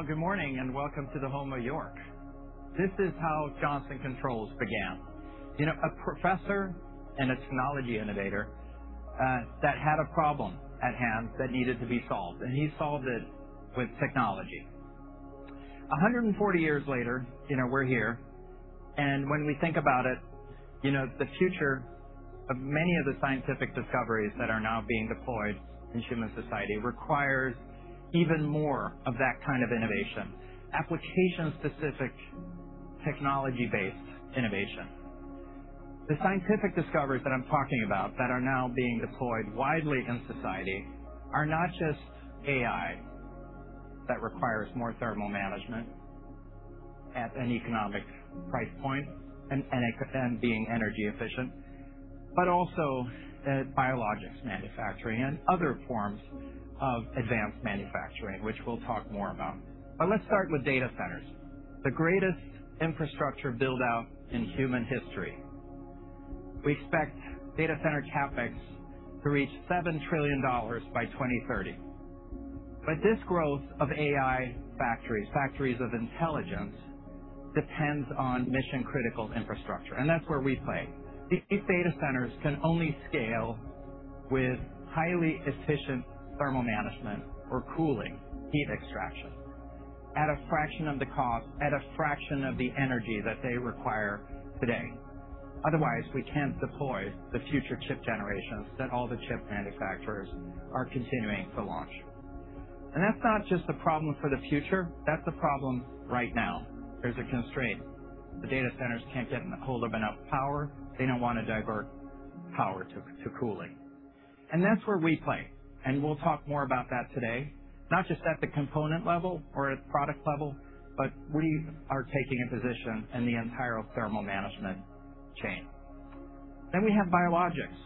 Well, good morning, and welcome to the home of YORK. This is how Johnson Controls began. A professor and a technology innovator that had a problem at hand that needed to be solved, and he solved it with technology. 140 years later, we're here. When we think about it, the future of many of the scientific discoveries that are now being deployed in human society requires even more of that kind of innovation, application-specific, technology-based innovation. The scientific discoveries that I'm talking about that are now being deployed widely in society are not just AI that requires more thermal management at an economic price point and being energy efficient, but also biologics manufacturing and other forms of advanced manufacturing, which we'll talk more about. Let's start with data centers, the greatest infrastructure build-out in human history. We expect data center CapEx to reach $7 trillion by 2030. This growth of AI factories of intelligence, depends on mission-critical infrastructure, and that's where we play. These data centers can only scale with highly efficient thermal management or cooling heat extraction at a fraction of the cost, at a fraction of the energy that they require today. Otherwise, we can't deploy the future chip generations that all the chip manufacturers are continuing to launch. That's not just a problem for the future, that's a problem right now. There's a constraint. The data centers can't get a hold of enough power. They don't want to divert power to cooling. That's where we play, and we'll talk more about that today, not just at the component level or at product level, but we are taking a position in the entire thermal management chain. We have biologics.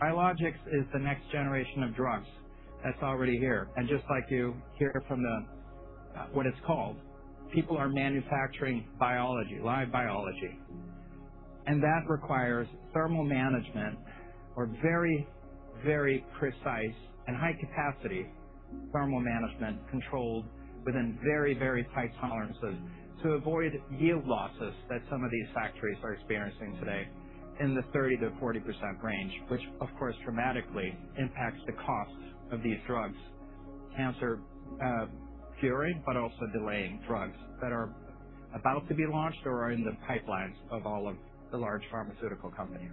Biologics is the next generation of drugs that's already here. Just like you hear from what it's called, people are manufacturing biology, live biology. That requires thermal management or very precise and high-capacity thermal management controlled within very tight tolerances to avoid yield losses that some of these factories are experiencing today in the 30% to 40% range, which of course, dramatically impacts the cost of these drugs, cancer curing, but also delaying drugs that are about to be launched or are in the pipelines of all of the large pharmaceutical companies.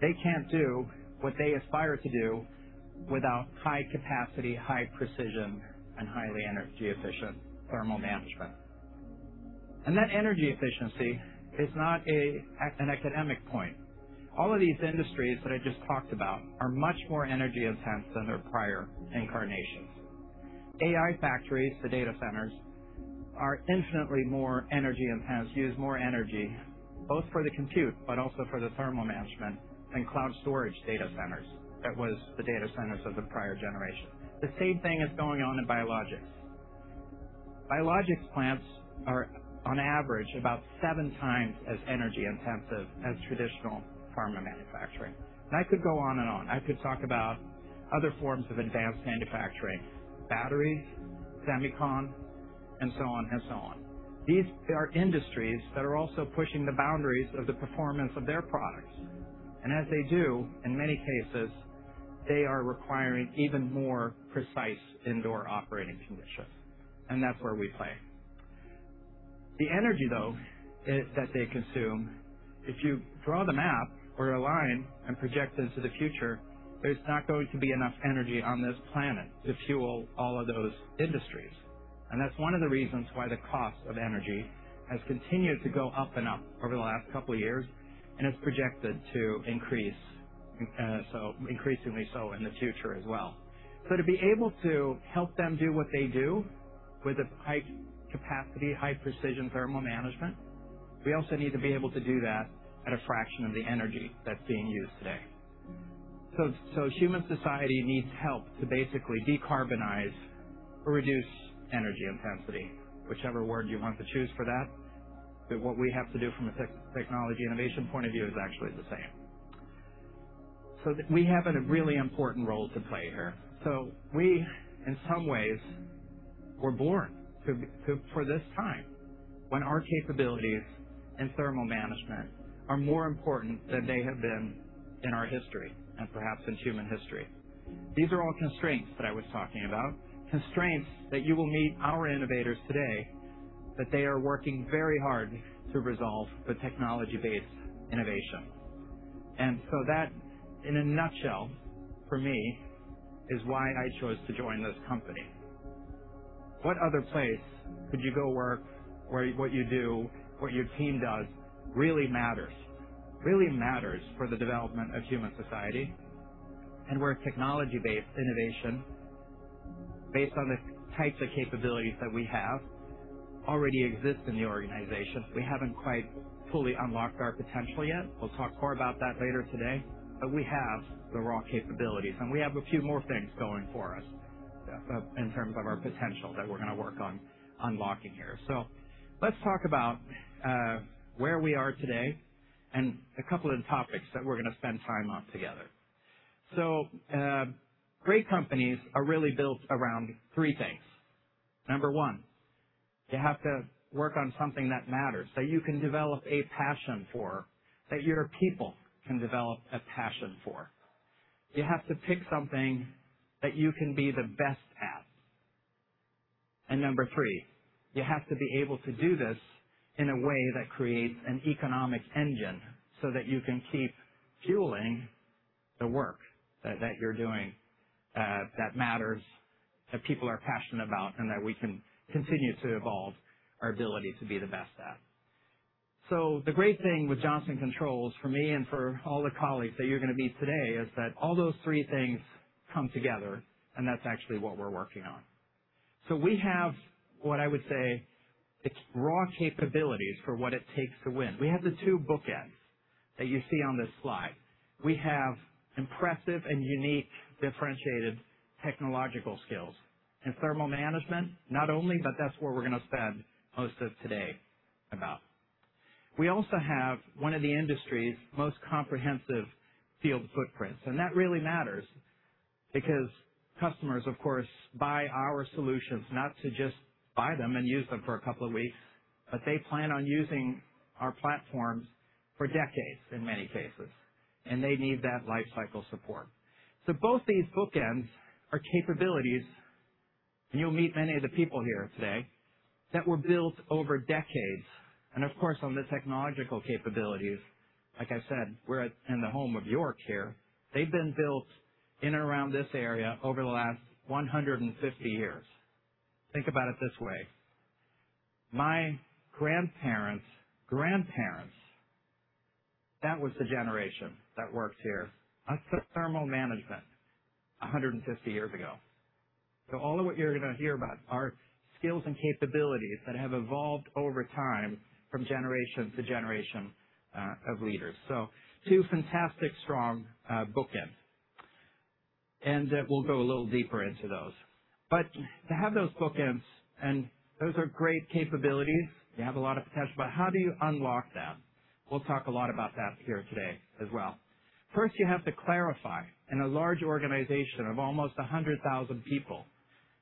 They can't do what they aspire to do without high capacity, high precision, and highly energy-efficient thermal management. That energy efficiency is not an academic point. All of these industries that I just talked about are much more energy-intense than their prior incarnations. AI factories, the data centers, are infinitely more energy-intense, use more energy, both for the compute but also for the thermal management than cloud storage data centers. That was the data centers of the prior generation. The same thing is going on in biologics. Biologics plants are, on average, about seven times as energy-intensive as traditional pharma manufacturing. I could go on and on. I could talk about other forms of advanced manufacturing, batteries, semicon, and so on and so on. These are industries that are also pushing the boundaries of the performance of their products. As they do, in many cases, they are requiring even more precise indoor operating conditions, and that's where we play. The energy, though, that they consume, if you draw the map or a line and project into the future, there's not going to be enough energy on this planet to fuel all of those industries. That's one of the reasons why the cost of energy has continued to go up and up over the last couple of years and is projected to increase, increasingly so in the future as well. To be able to help them do what they do with a high capacity, high precision thermal management, we also need to be able to do that at a fraction of the energy that's being used today. Human society needs help to basically decarbonize or reduce energy intensity, whichever word you want to choose for that. What we have to do from a technology innovation point of view is actually the same. We have a really important role to play here. We, in some ways, were born for this time when our capabilities in thermal management are more important than they have been in our history and perhaps in human history. These are all constraints that I was talking about, constraints that you will meet our innovators today, that they are working very hard to resolve the technology-based innovation. That, in a nutshell, for me, is why I chose to join this company. What other place could you go work where what you do, what your team does really matters? Really matters for the development of human society and where technology-based innovation, based on the types of capabilities that we have, already exists in the organization. We haven't quite fully unlocked our potential yet. We'll talk more about that later today. We have the raw capabilities, and we have a few more things going for us in terms of our potential that we're going to work on unlocking here. Let's talk about where we are today and a couple of topics that we're going to spend time on together. Great companies are really built around three things. Number one, you have to work on something that matters, that you can develop a passion for, that your people can develop a passion for. You have to pick something that you can be the best at. Number three, you have to be able to do this in a way that creates an economic engine so that you can keep fueling the work that you're doing that matters, that people are passionate about, and that we can continue to evolve our ability to be the best at. The great thing with Johnson Controls, for me and for all the colleagues that you're going to meet today, is that all those three things come together, and that's actually what we're working on. We have, what I would say, raw capabilities for what it takes to win. We have the two bookends that you see on this slide. We have impressive and unique differentiated technological skills and thermal management. Not only that's where we're going to spend most of today about. We also have one of the industry's most comprehensive field footprints. That really matters because customers, of course, buy our solutions not to just buy them and use them for a couple of weeks, but they plan on using our platforms for decades in many cases, and they need that life cycle support. Both these bookends are capabilities, and you'll meet many of the people here today, that were built over decades. Of course, on the technological capabilities, like I said, we're in the home of YORK here. They've been built in and around this area over the last 150 years. Think about it this way. My grandparents' grandparents, that was the generation that worked here on thermal management 150 years ago. All of what you're going to hear about are skills and capabilities that have evolved over time from generation to generation of leaders. Two fantastic strong bookends. We'll go a little deeper into those. To have those bookends, and those are great capabilities. How do you unlock them? We'll talk a lot about that here today as well. First, you have to clarify. In a large organization of almost 100,000 people,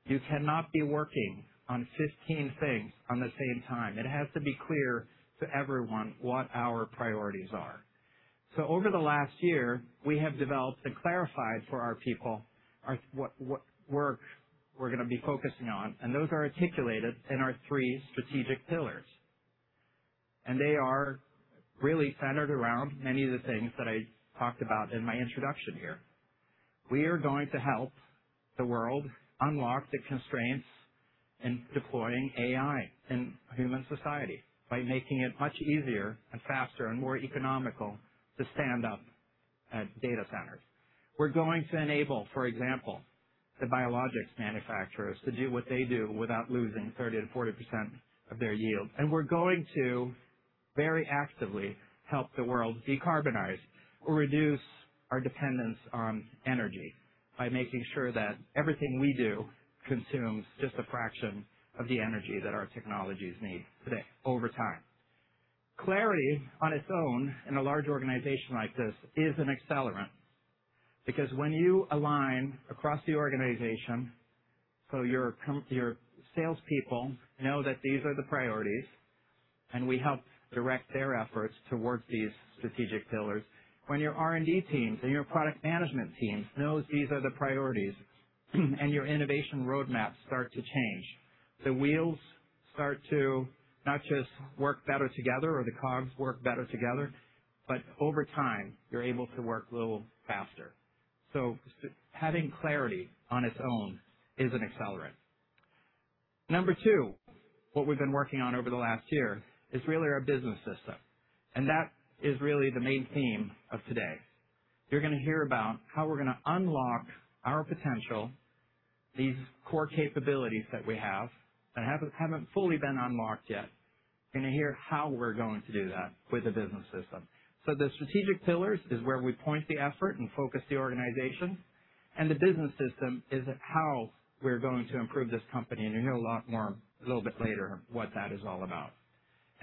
you cannot be working on 15 things on the same time. It has to be clear to everyone what our priorities are. Over the last year, we have developed and clarified for our people what work we're going to be focusing on, and those are articulated in our three strategic pillars. They are really centered around many of the things that I talked about in my introduction here. We are going to help the world unlock the constraints in deploying AI in human society by making it much easier and faster and more economical to stand up at data centers. We're going to enable, for example, the biologics manufacturers to do what they do without losing 30%-40% of their yield. We're going to very actively help the world decarbonize or reduce our dependence on energy by making sure that everything we do consumes just a fraction of the energy that our technologies need today over time. Clarity on its own in a large organization like this is an accelerant, because when you align across the organization, so your salespeople know that these are the priorities, and we help direct their efforts towards these strategic pillars. When your R&D teams and your product management teams know these are the priorities and your innovation roadmaps start to change, the wheels start to not just work better together, or the cogs work better together, but over time, you're able to work a little faster. Having clarity on its own is an accelerant. Number two, what we've been working on over the last year is really our business system, and that is really the main theme of today. You're going to hear about how we're going to unlock our potential, these core capabilities that we have that haven't fully been unlocked yet. You're going to hear how we're going to do that with the business system. The strategic pillars is where we point the effort and focus the organization, and the business system is how we're going to improve this company, and you'll hear a lot more a little bit later what that is all about.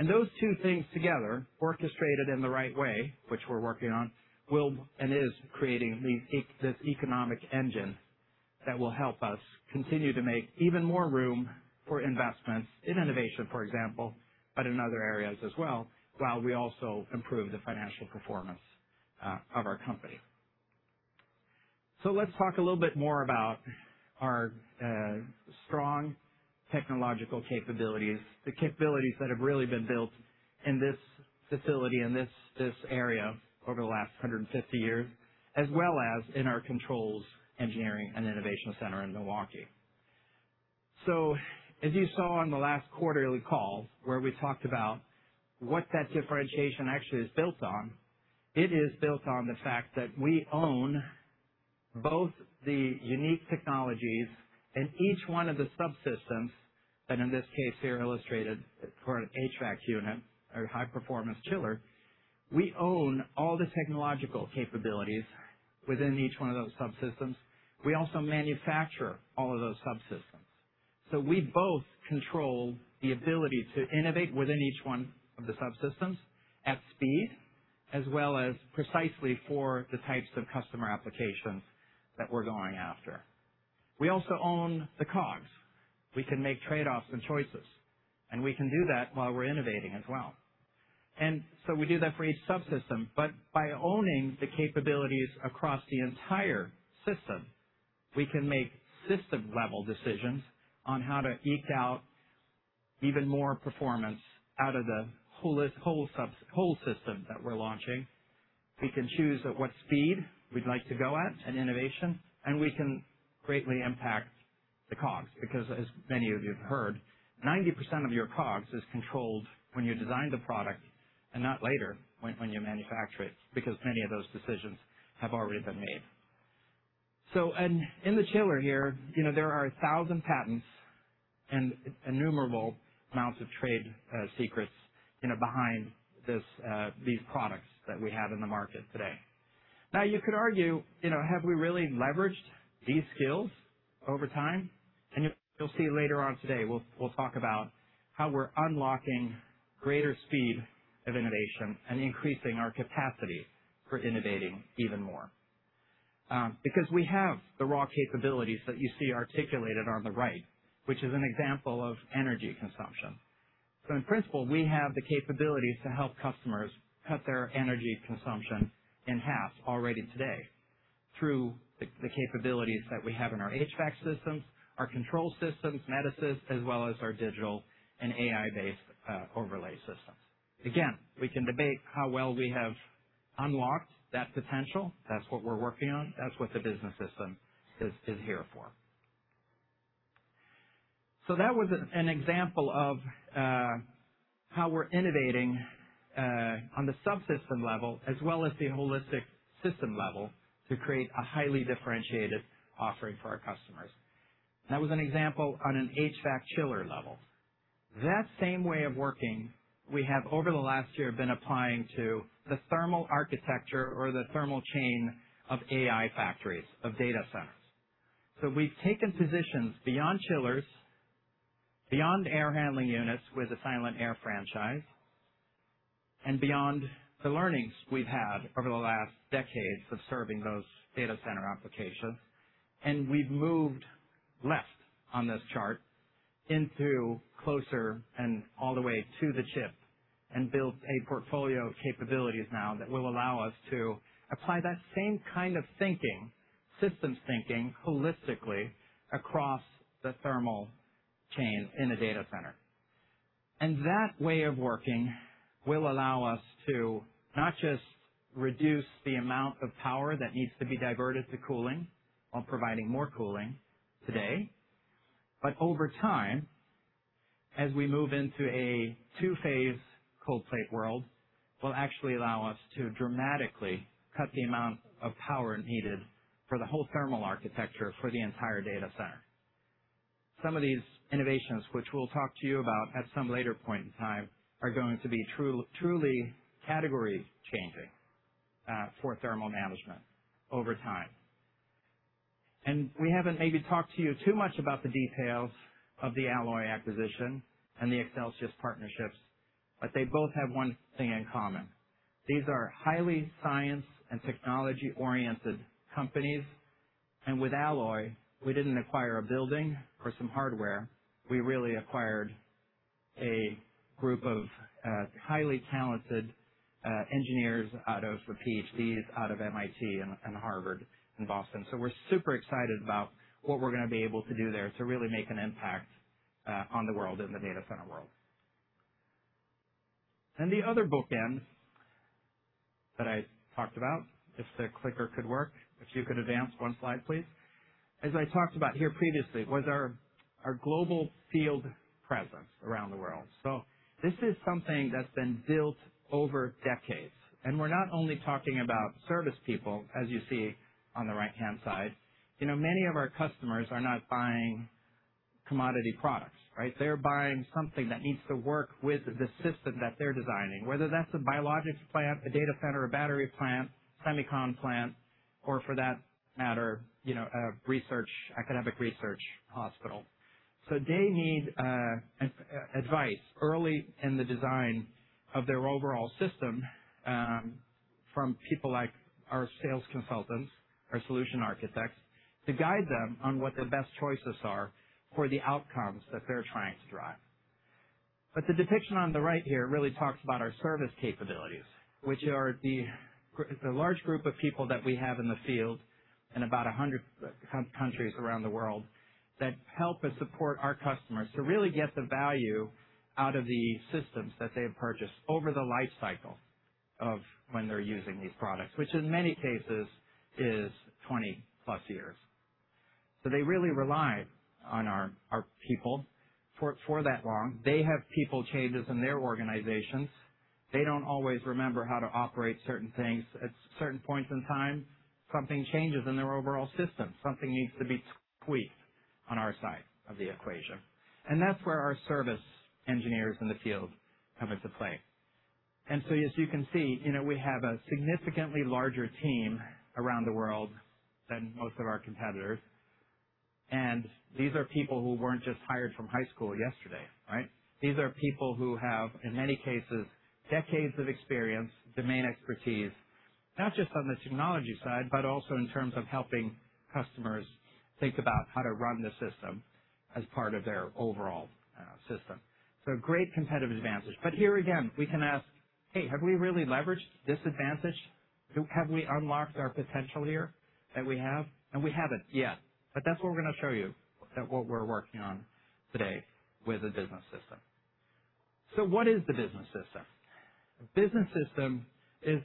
Those two things together, orchestrated in the right way, which we're working on, will and is creating this economic engine that will help us continue to make even more room for investments in innovation, for example, but in other areas as well, while we also improve the financial performance of our company. Let's talk a little bit more about our strong technological capabilities, the capabilities that have really been built in this facility, in this area over the last 150 years, as well as in our controls engineering and innovation center in Milwaukee. As you saw on the last quarterly call where we talked about what that differentiation actually is built on, it is built on the fact that we own both the unique technologies and each one of the subsystems, and in this case here illustrated for an HVAC unit or high-performance chiller. We own all the technological capabilities within each one of those subsystems. We also manufacture all of those subsystems. We both control the ability to innovate within each one of the subsystems at speed, as well as precisely for the types of customer applications that we're going after. We also own the cogs. We can make trade-offs and choices, and we can do that while we're innovating as well. We do that for each subsystem, but by owning the capabilities across the entire system, we can make system-level decisions on how to eke out even more performance out of the whole system that we're launching. We can choose at what speed we'd like to go at in innovation, and we can greatly impact the COGS, because as many of you have heard, 90% of your COGS is controlled when you design the product and not later when you manufacture it, because many of those decisions have already been made. In the chiller here, there are 1,000 patents and innumerable amounts of trade secrets behind these products that we have in the market today. You could argue, have we really leveraged these skills over time? You'll see later on today, we'll talk about how we're unlocking greater speed of innovation and increasing our capacity for innovating even more. We have the raw capabilities that you see articulated on the right, which is an example of energy consumption. In principle, we have the capabilities to help customers cut their energy consumption in half already today through the capabilities that we have in our HVAC systems, our control systems, Metasys, as well as our digital and AI-based overlay systems. Again, we can debate how well we have unlocked that potential. That's what we're working on. That's what the business system is here for. That was an example of how we're innovating on the subsystem level as well as the holistic system level to create a highly differentiated offering for our customers. That was an example on an HVAC chiller level. That same way of working, we have over the last year, been applying to the thermal architecture or the thermal chain of AI factories of data centers. We've taken positions beyond chillers, beyond air handling units with the Silent-Aire franchise, and beyond the learnings we've had over the last decades of serving those data center applications. We've moved left on this chart into closer and all the way to the chip and built a portfolio of capabilities now that will allow us to apply that same kind of thinking, systems thinking, holistically across the thermal chain in a data center. That way of working will allow us to not just reduce the amount of power that needs to be diverted to cooling while providing more cooling today, but over time, as we move into a two-phase cold plate world, will actually allow us to dramatically cut the amount of power needed for the whole thermal architecture for the entire data center. Some of these innovations, which we'll talk to you about at some later point in time, are going to be truly category changing for thermal management over time. We haven't maybe talked to you too much about the details of the Alloy acquisition and the Accelsius partnerships, but they both have one thing in common. These are highly science and technology-oriented companies. With Alloy, we didn't acquire a building or some hardware. We really acquired a group of highly talented engineers out of, for PhDs, out of MIT and Harvard in Boston. We're super excited about what we're going to be able to do there to really make an impact on the world, in the data center world. The other bookend that I talked about, if the clicker could work, if you could advance one slide, please. As I talked about here previously, was our global field presence around the world. This is something that's been built over decades, and we're not only talking about service people, as you see on the right-hand side. Many of our customers are not buying commodity products, right? They're buying something that needs to work with the system that they're designing, whether that's a biologics plant, a data center, a battery plant, semicon plant, or for that matter, academic research hospital. They need advice early in the design of their overall system from people like our sales consultants, our solution architects, to guide them on what their best choices are for the outcomes that they're trying to drive. The depiction on the right here really talks about our service capabilities, which are the large group of people that we have in the field in about 100 countries around the world that help and support our customers to really get the value out of the systems that they've purchased over the life cycle of when they're using these products, which in many cases is 20 plus years. They really rely on our people for that long. They have people changes in their organizations. They don't always remember how to operate certain things. At certain points in time, something changes in their overall system. Something needs to be tweaked on our side of the equation. That's where our service engineers in the field come into play. As you can see, we have a significantly larger team around the world than most of our competitors. These are people who weren't just hired from high school yesterday, right? These are people who have, in many cases, decades of experience, domain expertise, not just on the technology side, but also in terms of helping customers think about how to run the system as part of their overall system. Great competitive advantage. Here again, we can ask, hey, have we really leveraged this advantage? Have we unlocked our potential here that we have? We haven't yet, but that's what we're going to show you, that what we're working on today with the business system. What is the business system? Business system is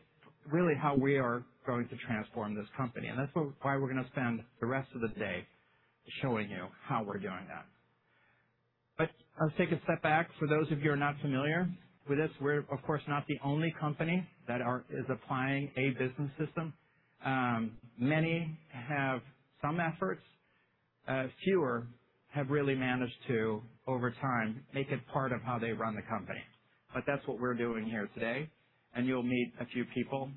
really how we are going to transform this company, and that's why we're going to spend the rest of the day showing you how we're doing that. Let's take a step back. For those of you who are not familiar with this, we're of course not the only company that is applying a business system. Many have some efforts. Fewer have really managed to, over time, make it part of how they run the company. That's what we're doing here today, and you'll meet a few people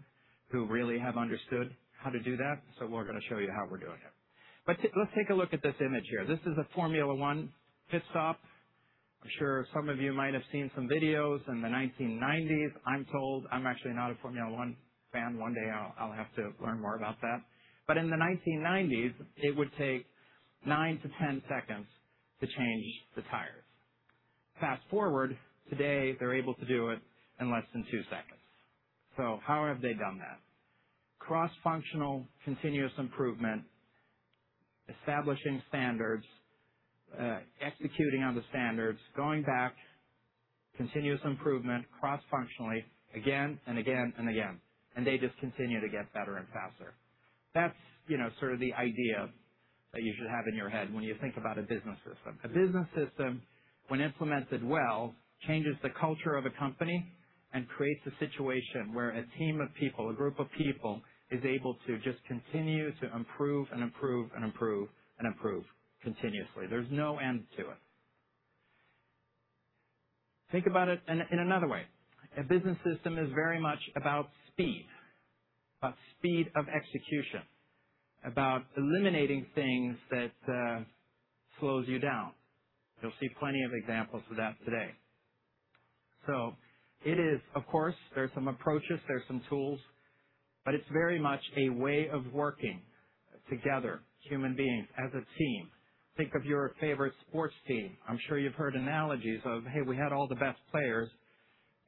who really have understood how to do that. We're going to show you how we're doing it. Let's take a look at this image here. This is a Formula One pit stop. I'm sure some of you might have seen some videos in the 1990s, I'm told. I'm actually not a Formula One fan. One day I'll have to learn more about that. In the 1990s, it would take nine to 10 seconds to change the tires. Fast-forward, today, they're able to do it in less than two seconds. How have they done that? Cross-functional, continuous improvement. Establishing standards. Executing on the standards. Going back. Continuous improvement, cross-functionally, again and again and again, and they just continue to get better and faster. That's sort of the idea that you should have in your head when you think about a business system. A business system, when implemented well, changes the culture of a company and creates a situation where a team of people, a group of people, is able to just continue to improve and improve and improve and improve continuously. There's no end to it. Think about it in another way. A business system is very much about speed. About speed of execution. About eliminating things that slows you down. You'll see plenty of examples of that today. It is, of course, there's some approaches, there's some tools, but it's very much a way of working together, human beings, as a team. Think of your favorite sports team. I'm sure you've heard analogies of, "Hey, we had all the best players,"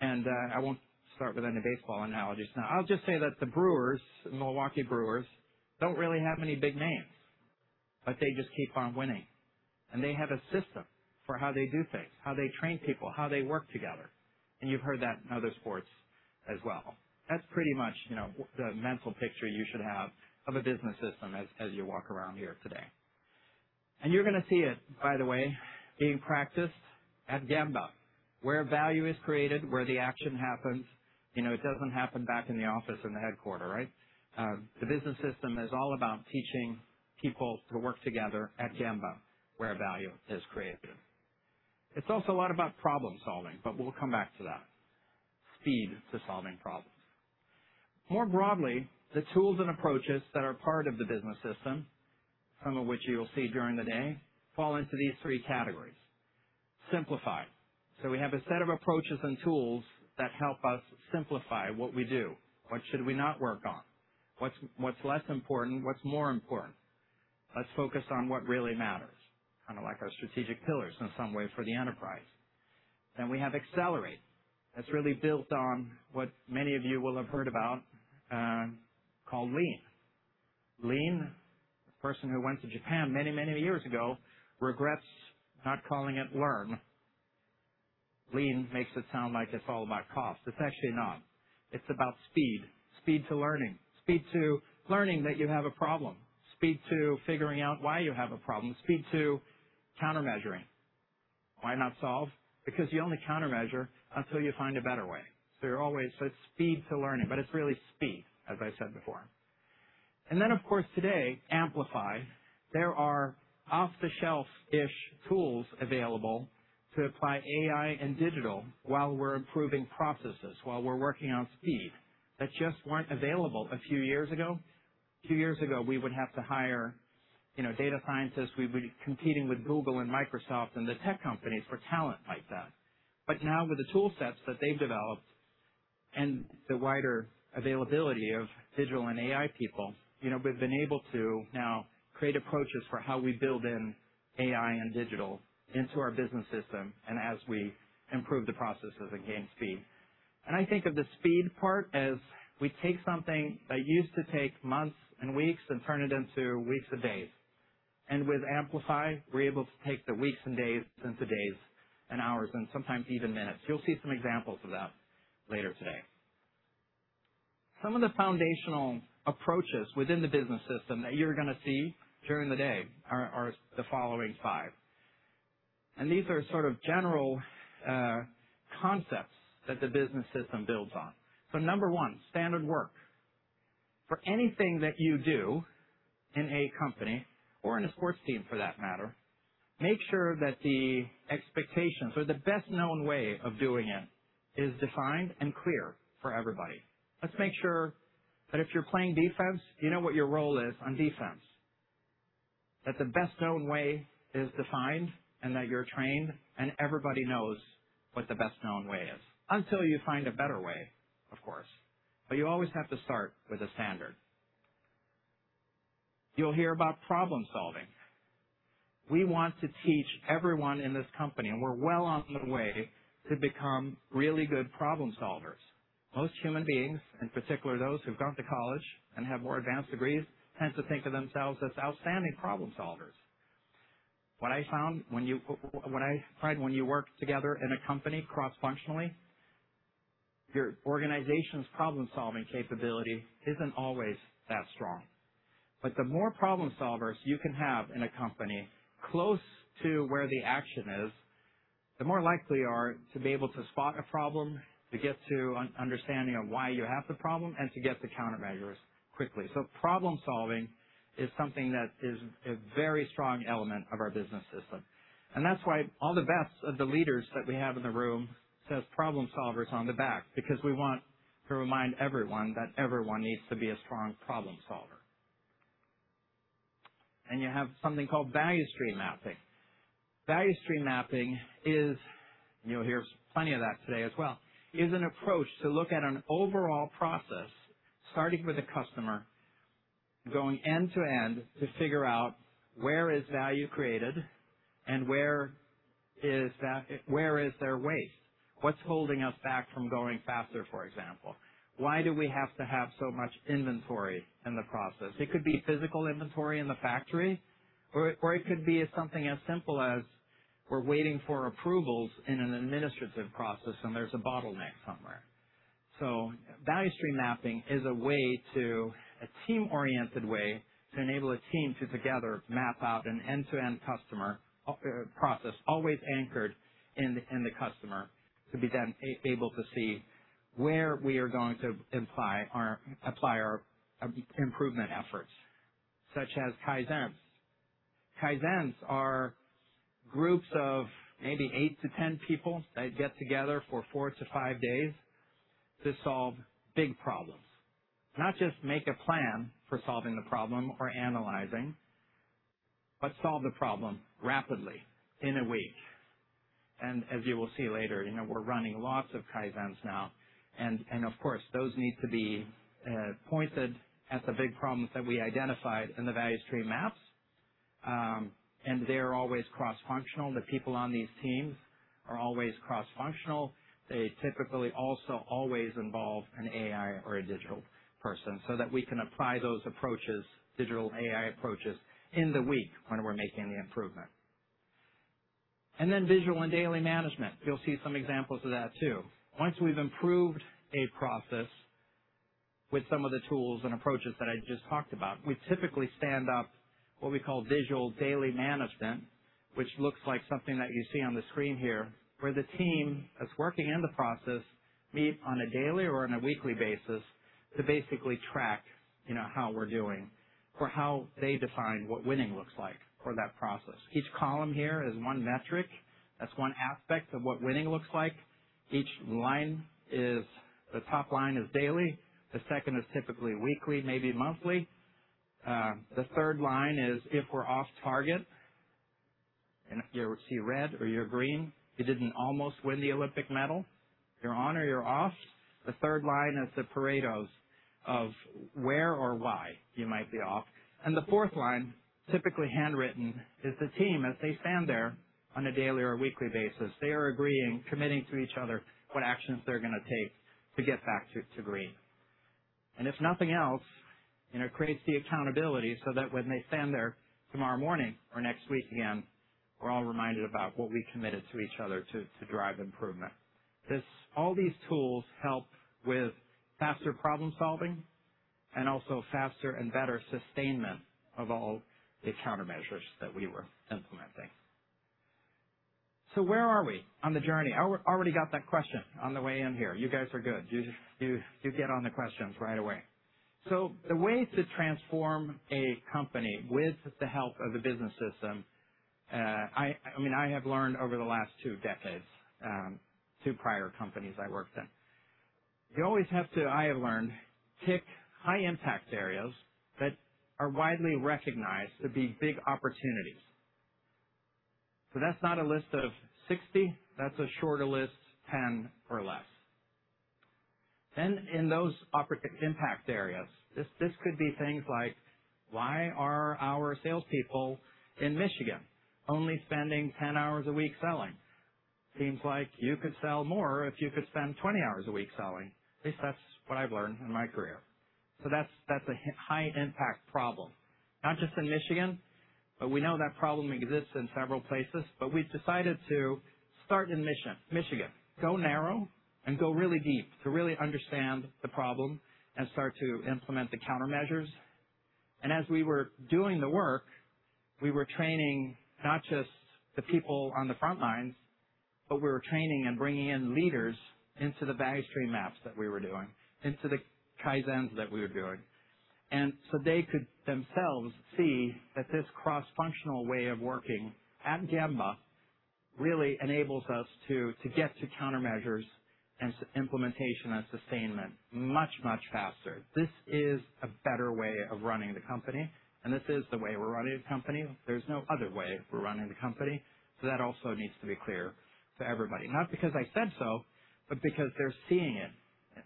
I won't start with any baseball analogies now. I'll just say that the Brewers, Milwaukee Brewers, don't really have any big names, but they just keep on winning. They have a system for how they do things, how they train people, how they work together. You've heard that in other sports as well. That's pretty much the mental picture you should have of a business system as you walk around here today. You're going to see it, by the way, being practiced at Gemba, where value is created, where the action happens. It doesn't happen back in the office in the headquarter, right? The business system is all about teaching people to work together at Gemba, where value is created. It's also a lot about problem-solving, but we'll come back to that. Speed to solving problems. More broadly, the tools and approaches that are part of the business system, some of which you will see during the day, fall into these three categories. Simplify. We have a set of approaches and tools that help us simplify what we do. What should we not work on? What's less important? What's more important? Let's focus on what really matters. Kind of like our strategic pillars in some ways for the enterprise. We have accelerate. That's really built on what many of you will have heard about, called Lean. Lean, a person who went to Japan many, many years ago regrets not calling it Learn. Lean makes it sound like it's all about cost. It's actually not. It's about speed. Speed to learning. Speed to learning that you have a problem. Speed to figuring out why you have a problem. Speed to counter-measuring. Why not solve? Because you only counter-measure until you find a better way. It's speed to learning, but it's really speed, as I said before. Of course, today, amplify. There are off-the-shelf-ish tools available to apply AI and digital while we're improving processes, while we're working on speed, that just weren't available a few years ago. A few years ago, we would have to hire data scientists. We'd be competing with Google and Microsoft and the tech companies for talent like that. Now with the tool sets that they've developed and the wider availability of digital and AI people, we've been able to now create approaches for how we build in AI and digital into our business system, and as we improve the processes and gain speed. I think of the speed part as we take something that used to take months and weeks and turn it into weeks and days. With amplify, we're able to take the weeks and days into days and hours, and sometimes even minutes. You'll see some examples of that later today. Some of the foundational approaches within the business system that you're going to see during the day are the following five. These are sort of general concepts that the business system builds on. Number one, standard work. For anything that you do in a company, or in a sports team for that matter, make sure that the expectations or the best known way of doing it is defined and clear for everybody. Let's make sure that if you're playing defense, you know what your role is on defense, that the best known way is defined and that you're trained, and everybody knows what the best known way is. Until you find a better way, of course. You always have to start with a standard. You'll hear about problem-solving. We want to teach everyone in this company, and we're well on the way to become really good problem-solvers. Most human beings, in particular, those who've gone to college and have more advanced degrees, tend to think of themselves as outstanding problem-solvers. What I found when you work together in a company cross-functionally, your organization's problem-solving capability isn't always that strong. The more problem-solvers you can have in a company close to where the action is, the more likely you are to be able to spot a problem, to get to an understanding of why you have the problem, and to get the countermeasures quickly. Problem-solving is something that is a very strong element of our business system, and that's why all the best of the leaders that we have in the room says problem solvers on the back, because we want to remind everyone that everyone needs to be a strong problem-solver. You have something called value stream mapping. Value stream mapping, and you'll hear plenty of that today as well, is an approach to look at an overall process, starting with the customer, going end to end to figure out where is value created and where is there waste? What's holding us back from going faster, for example? Why do we have to have so much inventory in the process? It could be physical inventory in the factory, or it could be something as simple as we're waiting for approvals in an administrative process and there's a bottleneck somewhere. Value stream mapping is a team-oriented way to enable a team to together map out an end-to-end customer process, always anchored in the customer, to be then able to see where we are going to apply our improvement efforts, such as Kaizens. Kaizens are groups of maybe 8-10 people that get together for 4-5 days to solve big problems. Not just make a plan for solving the problem or analyzing, but solve the problem rapidly in a week. As you will see later, we're running lots of Kaizens now, and of course, those need to be pointed at the big problems that we identified in the value stream maps. They're always cross-functional. The people on these teams are always cross-functional. They typically also always involve an AI or a digital person so that we can apply those approaches, digital AI approaches, in the week when we're making the improvement. Visual and daily management. You'll see some examples of that too. Once we've improved a process with some of the tools and approaches that I just talked about, we typically stand up what we call visual daily management, which looks like something that you see on the screen here, where the team that's working in the process meet on a daily or on a weekly basis to basically track how we're doing, or how they define what winning looks like for that process. Each column here is one metric. That's one aspect of what winning looks like. Each line is, the top line is daily. The second is typically weekly, maybe monthly. The third line is if we're off target. If you see red or you're green, you didn't almost win the Olympic medal. You're on or you're off. The third line is the Paretos of where or why you might be off. The fourth line, typically handwritten, is the team as they stand there on a daily or weekly basis. They are agreeing, committing to each other what actions they're going to take to get back to green. If nothing else, it creates the accountability so that when they stand there tomorrow morning or next week again, we're all reminded about what we committed to each other to drive improvement. All these tools help with faster problem-solving and also faster and better sustainment of all the countermeasures that we were implementing. Where are we on the journey? I already got that question on the way in here. You guys are good. You get on the questions right away. The way to transform a company with the help of the business system, I have learned over the last 2 decades, 2 prior companies I worked in. You always have to, I have learned, pick high-impact areas that are widely recognized to be big opportunities. That's not a list of 60. That's a shorter list, 10 or less. In those impact areas, this could be things like why are our salespeople in Michigan only spending 10 hours a week selling? Seems like you could sell more if you could spend 20 hours a week selling. At least that's what I've learned in my career. That's a high-impact problem, not just in Michigan, but we know that problem exists in several places, but we've decided to start in Michigan, go narrow, and go really deep to really understand the problem and start to implement the countermeasures. As we were doing the work, we were training not just the people on the front lines, but we were training and bringing in leaders into the value stream maps that we were doing, into the Kaizens that we were doing. They could themselves see that this cross-functional way of working at Gemba really enables us to get to countermeasures and implementation and sustainment much, much faster. This is a better way of running the company, and this is the way we're running the company. There's no other way we're running the company. That also needs to be clear to everybody, not because I said so, but because they're seeing it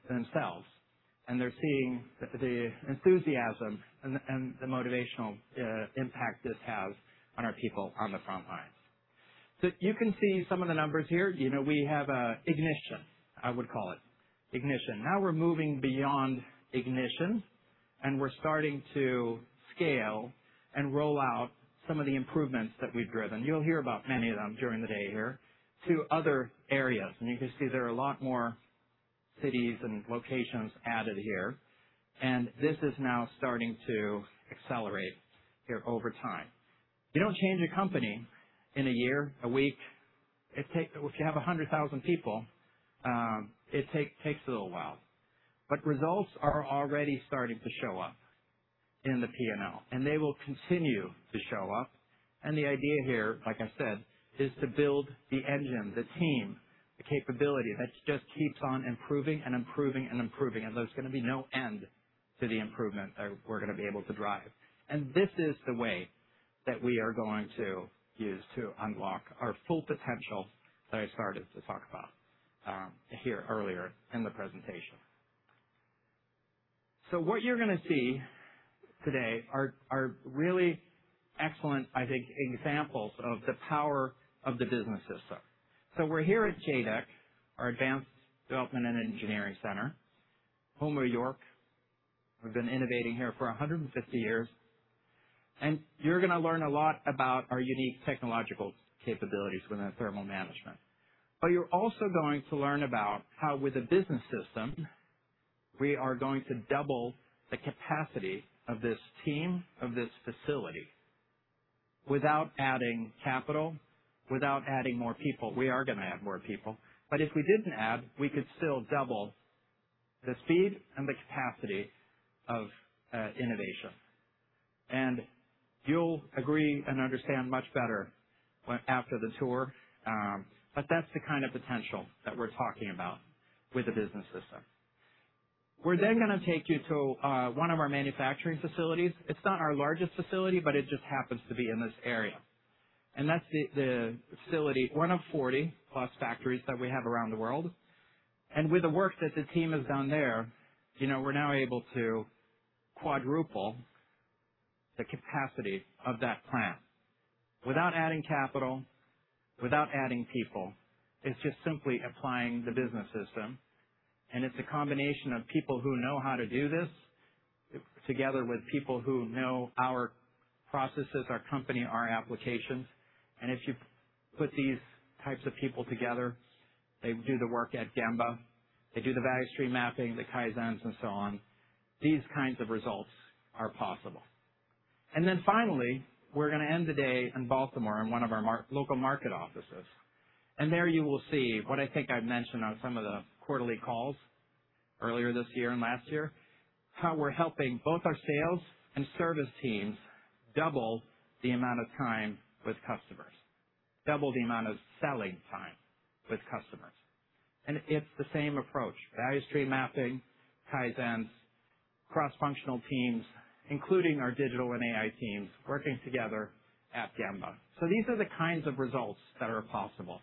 themselves, and they're seeing the enthusiasm and the motivational impact this has on our people on the front lines. You can see some of the numbers here. We have ignition, I would call it. Ignition. Now we're moving beyond ignition, and we're starting to scale and roll out some of the improvements that we've driven. You'll hear about many of them during the day here, to other areas. You can see there are a lot more cities and locations added here, and this is now starting to accelerate here over time. You don't change a company in a year, a week. If you have 100,000 people, it takes a little while. Results are already starting to show up in the P&L, and they will continue to show up. The idea here, like I said, is to build the engine, the team, the capability that just keeps on improving and improving. There's going to be no end to the improvement that we're going to be able to drive. This is the way that we are going to use to unlock our full potential that I started to talk about here earlier in the presentation. What you're going to see today are really excellent, I think, examples of the power of the business system. We're here at JADEC, our advanced development and engineering center, home of YORK. We've been innovating here for 150 years. You're going to learn a lot about our unique technological capabilities within thermal management. You're also going to learn about how, with a business system, we are going to double the capacity of this team, of this facility, without adding capital, without adding more people. We are going to add more people, but if we didn't add, we could still double the speed and the capacity of innovation. You'll agree and understand much better after the tour. That's the kind of potential that we're talking about with the business system. We're then going to take you to one of our manufacturing facilities. It's not our largest facility, but it just happens to be in this area. That's the facility, one of 40-plus factories that we have around the world. With the work that the team has done there, we're now able to quadruple the capacity of that plant without adding capital, without adding people. It's just simply applying the business system, and it's a combination of people who know how to do this together with people who know our processes, our company, our applications. If you put these types of people together, they do the work at Gemba. They do the value stream mapping, the Kaizens, and so on. These kinds of results are possible. Finally, we're going to end the day in Baltimore in one of our local market offices. There you will see what I think I've mentioned on some of the quarterly calls earlier this year and last year, how we're helping both our sales and service teams double the amount of time with customers, double the amount of selling time with customers. It's the same approach, value stream mapping, Kaizens, cross-functional teams, including our digital and AI teams working together at Gemba. These are the kinds of results that are possible.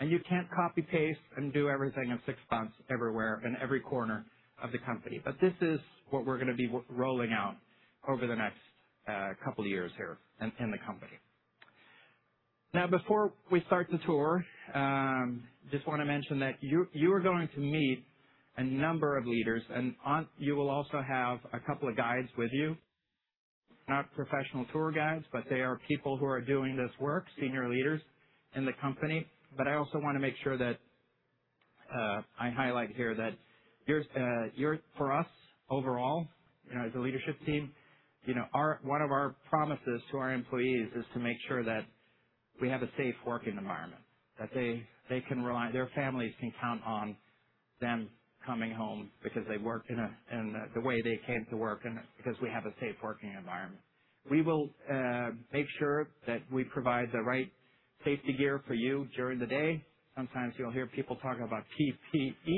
You can't copy-paste and do everything in six months everywhere in every corner of the company. This is what we're going to be rolling out over the next couple of years here in the company. Before we start the tour, just want to mention that you are going to meet a number of leaders, and you will also have a couple of guides with you. Not professional tour guides, but they are people who are doing this work, senior leaders in the company. I also want to make sure that I highlight here that for us, overall, as a leadership team, one of our promises to our employees is to make sure that we have a safe working environment, that their families can count on them coming home because they work in the way they came to work, and because we have a safe working environment. We will make sure that we provide the right safety gear for you during the day. Sometimes you'll hear people talk about PPE.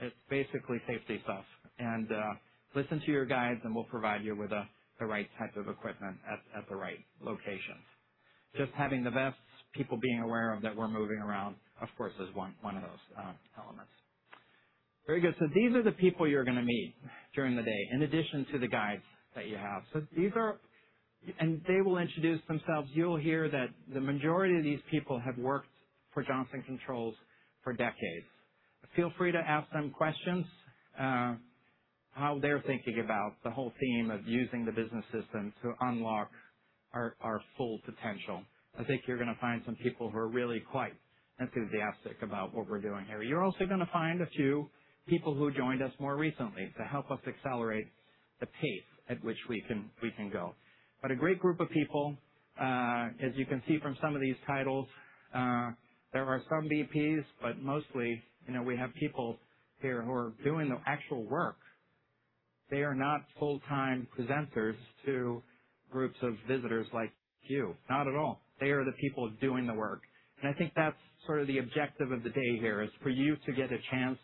It's basically safety stuff. Listen to your guides, and we'll provide you with the right type of equipment at the right locations. Just having the vests, people being aware that we're moving around, of course, is one of those elements. Very good. These are the people you're going to meet during the day, in addition to the guides that you have. They will introduce themselves. You'll hear that the majority of these people have worked for Johnson Controls for decades. Feel free to ask them questions, how they're thinking about the whole theme of using the business system to unlock our full potential. I think you're going to find some people who are really quite enthusiastic about what we're doing here. You're also going to find a few people who joined us more recently to help us accelerate the pace at which we can go. A great group of people. As you can see from some of these titles, there are some VPs, but mostly, we have people here who are doing the actual work. They are not full-time presenters to groups of visitors like you, not at all. They are the people doing the work. I think that's sort of the objective of the day here, is for you to get a chance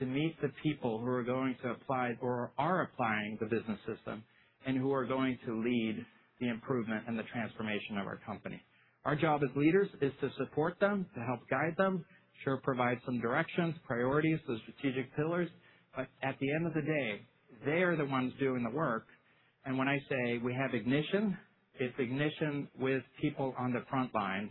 to meet the people who are going to apply or are applying the business system, and who are going to lead the improvement and the transformation of our company. Our job as leaders is to support them, to help guide them, sure provide some directions, priorities, those strategic pillars, but at the end of the day, they are the ones doing the work. When I say we have ignition, it's ignition with people on the front lines.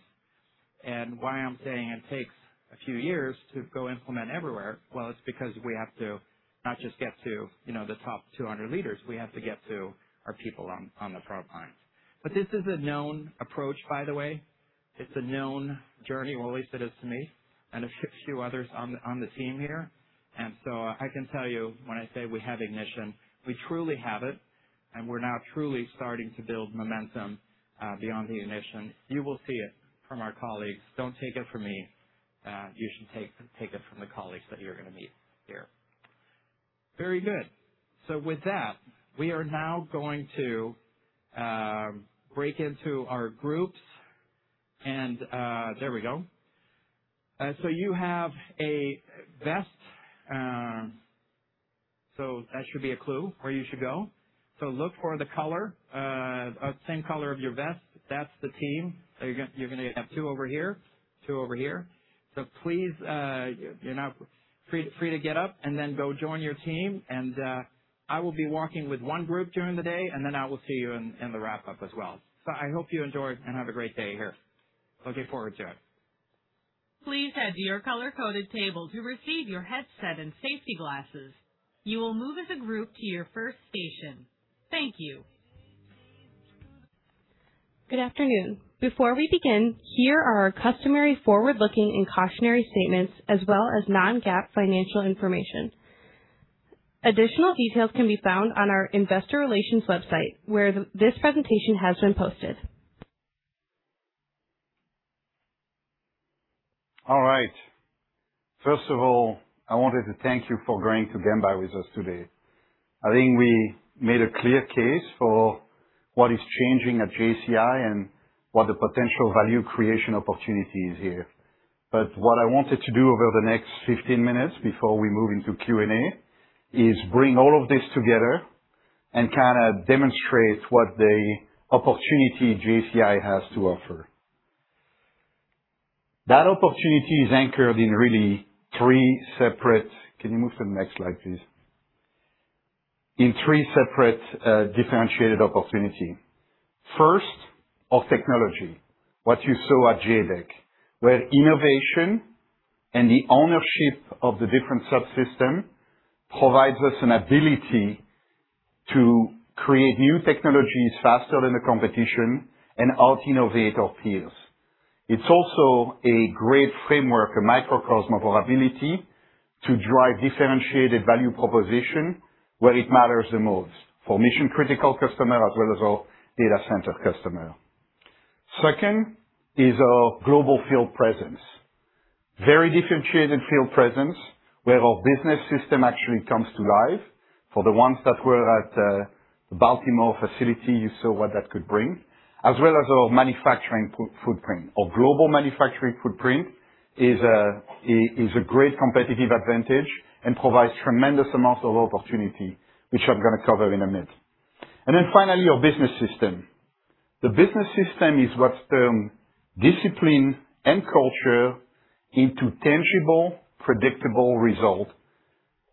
Why I'm saying it takes a few years to go implement everywhere, well, it's because we have to not just get to the top 200 leaders, we have to get to our people on the front lines. This is a known approach, by the way. It's a known journey, or at least it is to me and a few others on the team here. I can tell you when I say we have ignition, we truly have it, and we're now truly starting to build momentum beyond the ignition. You will see it from our colleagues. Don't take it from me. You should take it from the colleagues that you're going to meet here. Very good. With that, we are now going to break into our groups and there we go. You have a vest, so that should be a clue where you should go. Look for the color, same color of your vest. That's the team. You're going to have two over here, two over here. Please, you're now free to get up and then go join your team. I will be walking with one group during the day, and then I will see you in the wrap-up as well. I hope you enjoy and have a great day here. Looking forward to it. Please head to your color-coded table to receive your headset and safety glasses. You will move as a group to your first station. Thank you. Good afternoon. Before we begin, here are our customary forward-looking and cautionary statements as well as non-GAAP financial information. Additional details can be found on our investor relations website, where this presentation has been posted. First of all, I wanted to thank you for going to Gemba with us today. I think we made a clear case for what is changing at JCI and what the potential value creation opportunity is here. What I wanted to do over the next 15 minutes before we move into Q&A is bring all of this together and kind of demonstrate what the opportunity JCI has to offer. That opportunity is anchored in really three separate. Can you move to the next slide, please? In three separate differentiated opportunity. First, our technology, what you saw at JADEC, where innovation and the ownership of the different subsystem provides us an ability to create new technologies faster than the competition and out-innovate our peers. It's also a great framework, a microcosm of our ability to drive differentiated value proposition where it matters the most, for mission-critical customer as well as our data center customer. Our global field presence, a very differentiated field presence, where our business system actually comes to life. For the ones that were at Baltimore facility, you saw what that could bring, as well as our manufacturing footprint. Our global manufacturing footprint is a great competitive advantage and provides tremendous amounts of opportunity, which I'm going to cover in a minute. Finally, our business system. The business system is what turns discipline and culture into tangible, predictable result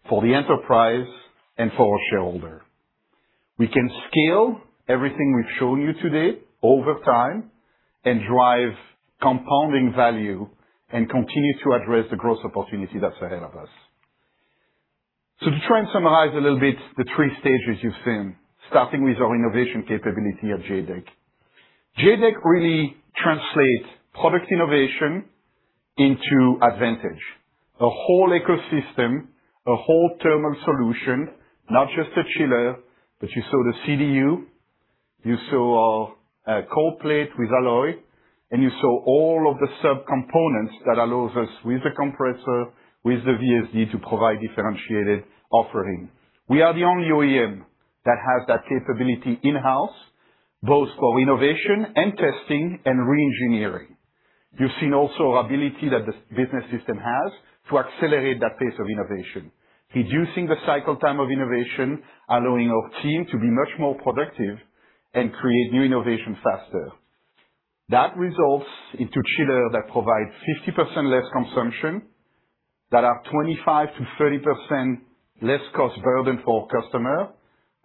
for the enterprise and for our shareholder. We can scale everything we've shown you today over time and drive compounding value and continue to address the growth opportunity that's ahead of us. To try and summarize a little bit the 3 stages you've seen, starting with our innovation capability at JADEC. JADEC really translates product innovation into advantage. A whole ecosystem, a whole thermal solution, not just a chiller, but you saw the CDU, you saw our cold plate with Alloy, and you saw all of the sub-components that allows us with the compressor, with the VSD to provide differentiated offering. We are the only OEM that has that capability in-house, both for innovation and testing and re-engineering. You've seen also our ability that this business system has to accelerate that pace of innovation, reducing the cycle time of innovation, allowing our team to be much more productive and create new innovation faster. That results into chiller that provide 50% less consumption, that are 25%-30% less cost burden for our customer,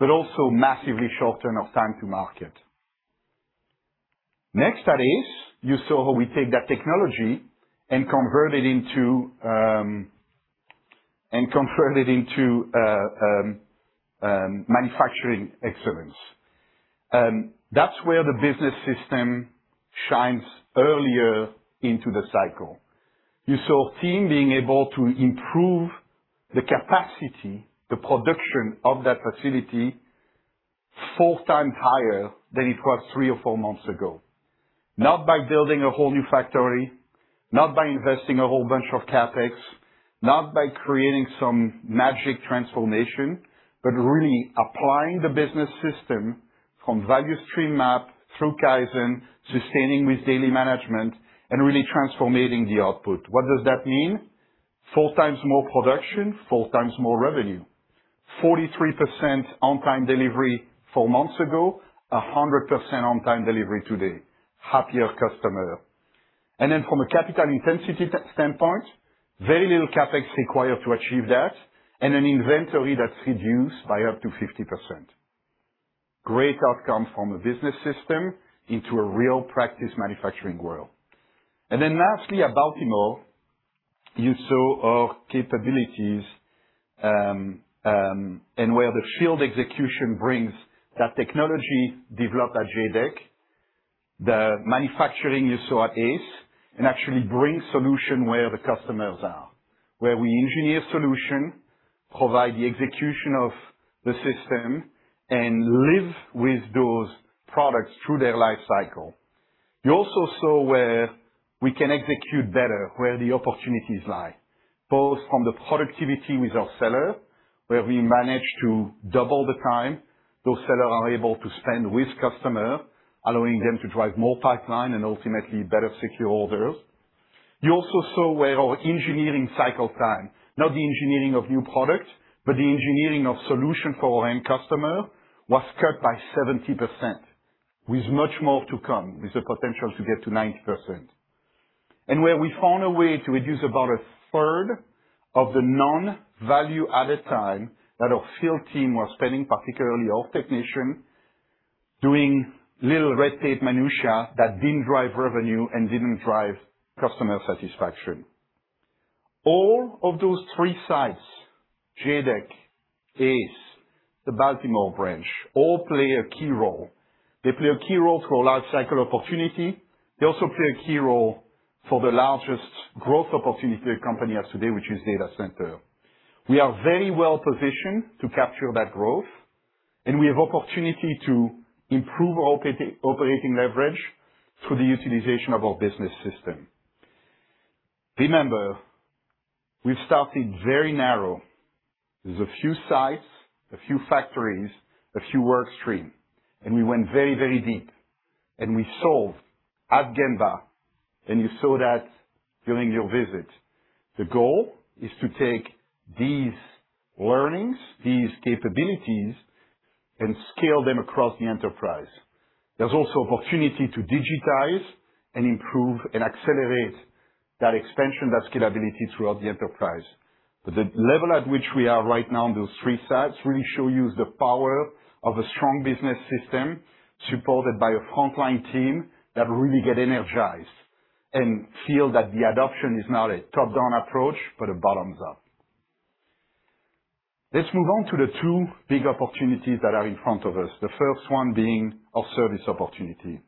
but also massively shorten our time to market. Next, that is, you saw how we take that technology and convert it into manufacturing excellence. That's where the business system shines earlier into the cycle. You saw team being able to improve the capacity, the production of that facility, four times higher than it was three or four months ago. Not by building a whole new factory, not by investing a whole bunch of CapEx, not by creating some magic transformation, but really applying the business system from value stream map through Kaizen, sustaining with daily management, and really transforming the output. What does that mean? Four times more production, four times more revenue. 43% on-time delivery four months ago, 100% on-time delivery today. Happier customer. From a capital intensity standpoint, very little CapEx required to achieve that, and an inventory that's reduced by up to 50%. Great outcome from a business system into a real practice manufacturing world. Lastly, at Baltimore, you saw our capabilities, and where the field execution brings that technology developed at JADEC, the manufacturing you saw at ACE, and actually bring solution where the customers are. Where we engineer solution, provide the execution of the system, and live with those products through their life cycle. You also saw where we can execute better, where the opportunities lie, both from the productivity with our seller, where we manage to double the time those seller are able to spend with customer, allowing them to drive more pipeline and ultimately better secure orders. You also saw where our engineering cycle time, not the engineering of new product, but the engineering of solution for our end customer, was cut by 70%, with much more to come, with the potential to get to 90%. Where we found a way to reduce about a third of the non-value-added time that our field team was spending, particularly our technician, doing little red tape minutia that didn't drive revenue and didn't drive customer satisfaction. All of those three sites, JADEC, ACE, the Baltimore branch, all play a key role. They play a key role for our life cycle opportunity. They also play a key role for the largest growth opportunity of the company as today, which is data center. We are very well-positioned to capture that growth, and we have opportunity to improve our operating leverage through the utilization of our business system. Remember, we started very narrow. There's a few sites, a few factories, a few workstream, and we went very, very deep. We solved at Gemba, and you saw that during your visit. The goal is to take these learnings, these capabilities, and scale them across the enterprise. There's also opportunity to digitize and improve and accelerate that expansion, that scalability throughout the enterprise. The level at which we are right now in those three sites really show you the power of a strong business system supported by a frontline team that really get energized and feel that the adoption is not a top-down approach, but a bottoms-up. Let's move on to the two big opportunities that are in front of us. The first one being our service opportunity.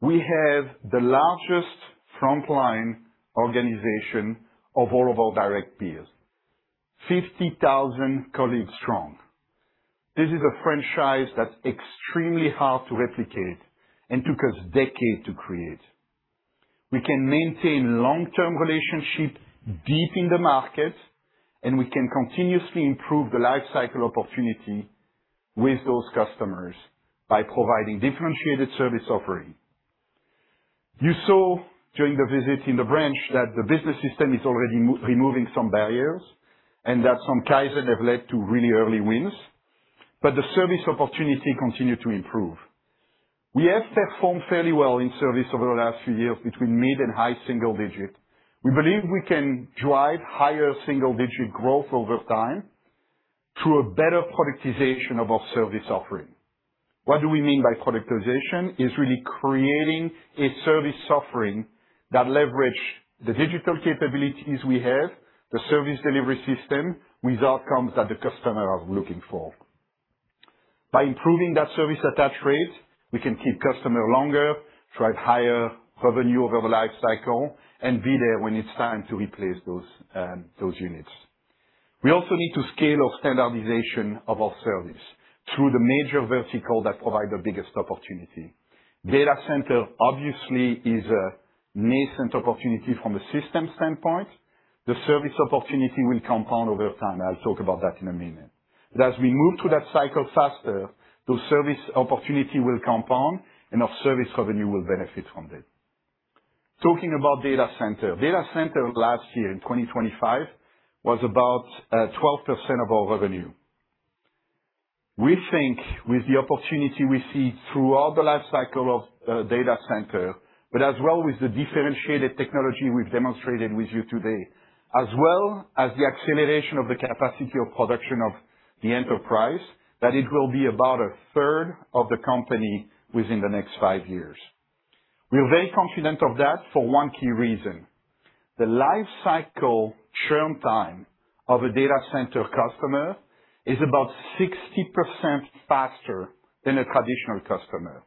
We have the largest frontline organization of all of our direct peers. 50,000 colleagues strong. This is a franchise that's extremely hard to replicate and took us decades to create. We can maintain long-term relationship deep in the market, and we can continuously improve the life cycle opportunity with those customers by providing differentiated service offering. You saw during the visit in the branch that the business system is already removing some barriers and that some Kaizen have led to really early wins, but the service opportunity continue to improve. We have performed fairly well in service over the last few years between mid and high single digit. We believe we can drive higher single-digit growth over time through a better productization of our service offering. What do we mean by productization? Is really creating a service offering that leverage the digital capabilities we have, the service delivery system, with outcomes that the customer are looking for. By improving that service attach rate, we can keep customers longer, drive higher revenue over the life cycle, and be there when it's time to replace those units. We also need to scale our standardization of our service through the major verticals that provide the biggest opportunity. Data center, obviously, is a nascent opportunity from a system standpoint. The service opportunity will compound over time. I'll talk about that in a minute. As we move through that cycle faster, those service opportunities will compound, and our service revenue will benefit from that. Talking about Data center. Data center last year, in 2025, was about 12% of our revenue. We think with the opportunity we see through all the life cycle of data center, but as well with the differentiated technology we've demonstrated with you today, as well as the acceleration of the capacity of production of the enterprise, that it will be about a third of the company within the next five years. We are very confident of that for one key reason. The life cycle churn time of a data center customer is about 60% faster than a traditional customer,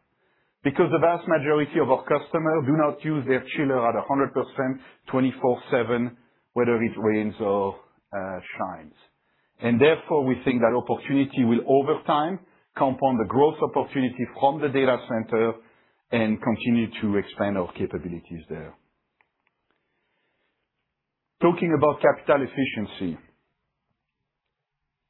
because the vast majority of our customers do not use their chiller at 100%, 24/7, whether it rains or shines. Therefore, we think that opportunity will, over time, compound the growth opportunity from the data center and continue to expand our capabilities there. Talking about capital efficiency.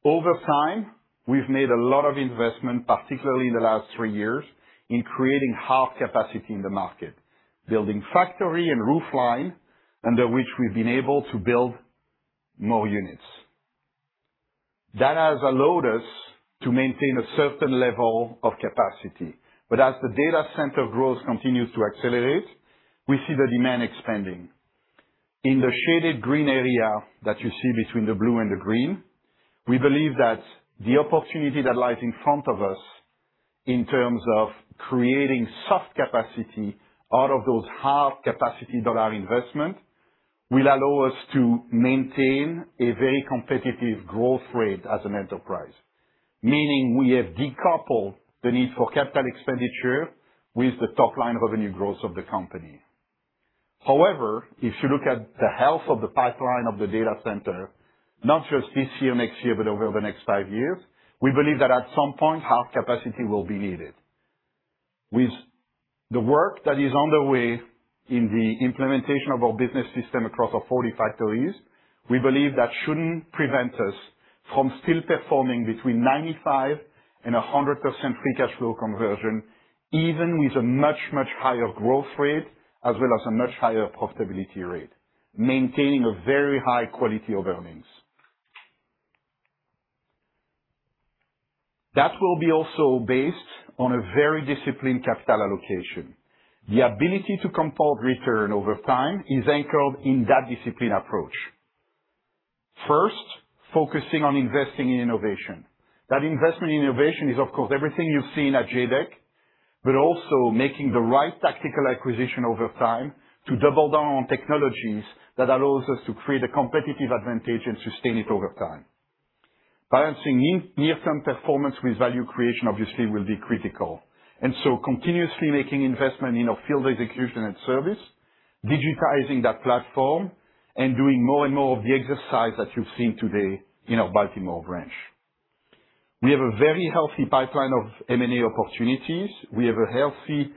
Over time, we've made a lot of investment, particularly in the last three years, in creating hard capacity in the market, building factory and roof line, under which we've been able to build more units. That has allowed us to maintain a certain level of capacity. As the data center growth continues to accelerate, we see the demand expanding. In the shaded green area that you see between the blue and the green, we believe that the opportunity that lies in front of us in terms of creating soft capacity out of those hard capacity dollar investment will allow us to maintain a very competitive growth rate as an enterprise, meaning we have decoupled the need for capital expenditure with the top line revenue growth of the company. However, if you look at the health of the pipeline of the data center, not just this year, next year, but over the next five years, we believe that at some point, hard capacity will be needed. With the work that is underway in the implementation of our business system across our 40 factories, we believe that shouldn't prevent us from still performing between 95% and 100% free cash flow conversion, even with a much, much higher growth rate, as well as a much higher profitability rate, maintaining a very high quality of earnings. That will be also based on a very disciplined capital allocation. The ability to compound return over time is anchored in that disciplined approach. First, focusing on investing in innovation. That investment in innovation is, of course, everything you've seen at JADEC, but also making the right tactical acquisition over time to double down on technologies that allows us to create a competitive advantage and sustain it over time. Balancing near-term performance with value creation, obviously, will be critical, and so continuously making investment in our field execution and service, digitizing that platform, and doing more and more of the exercise that you've seen today in our Baltimore branch. We have a very healthy pipeline of M&A opportunities. We have a healthy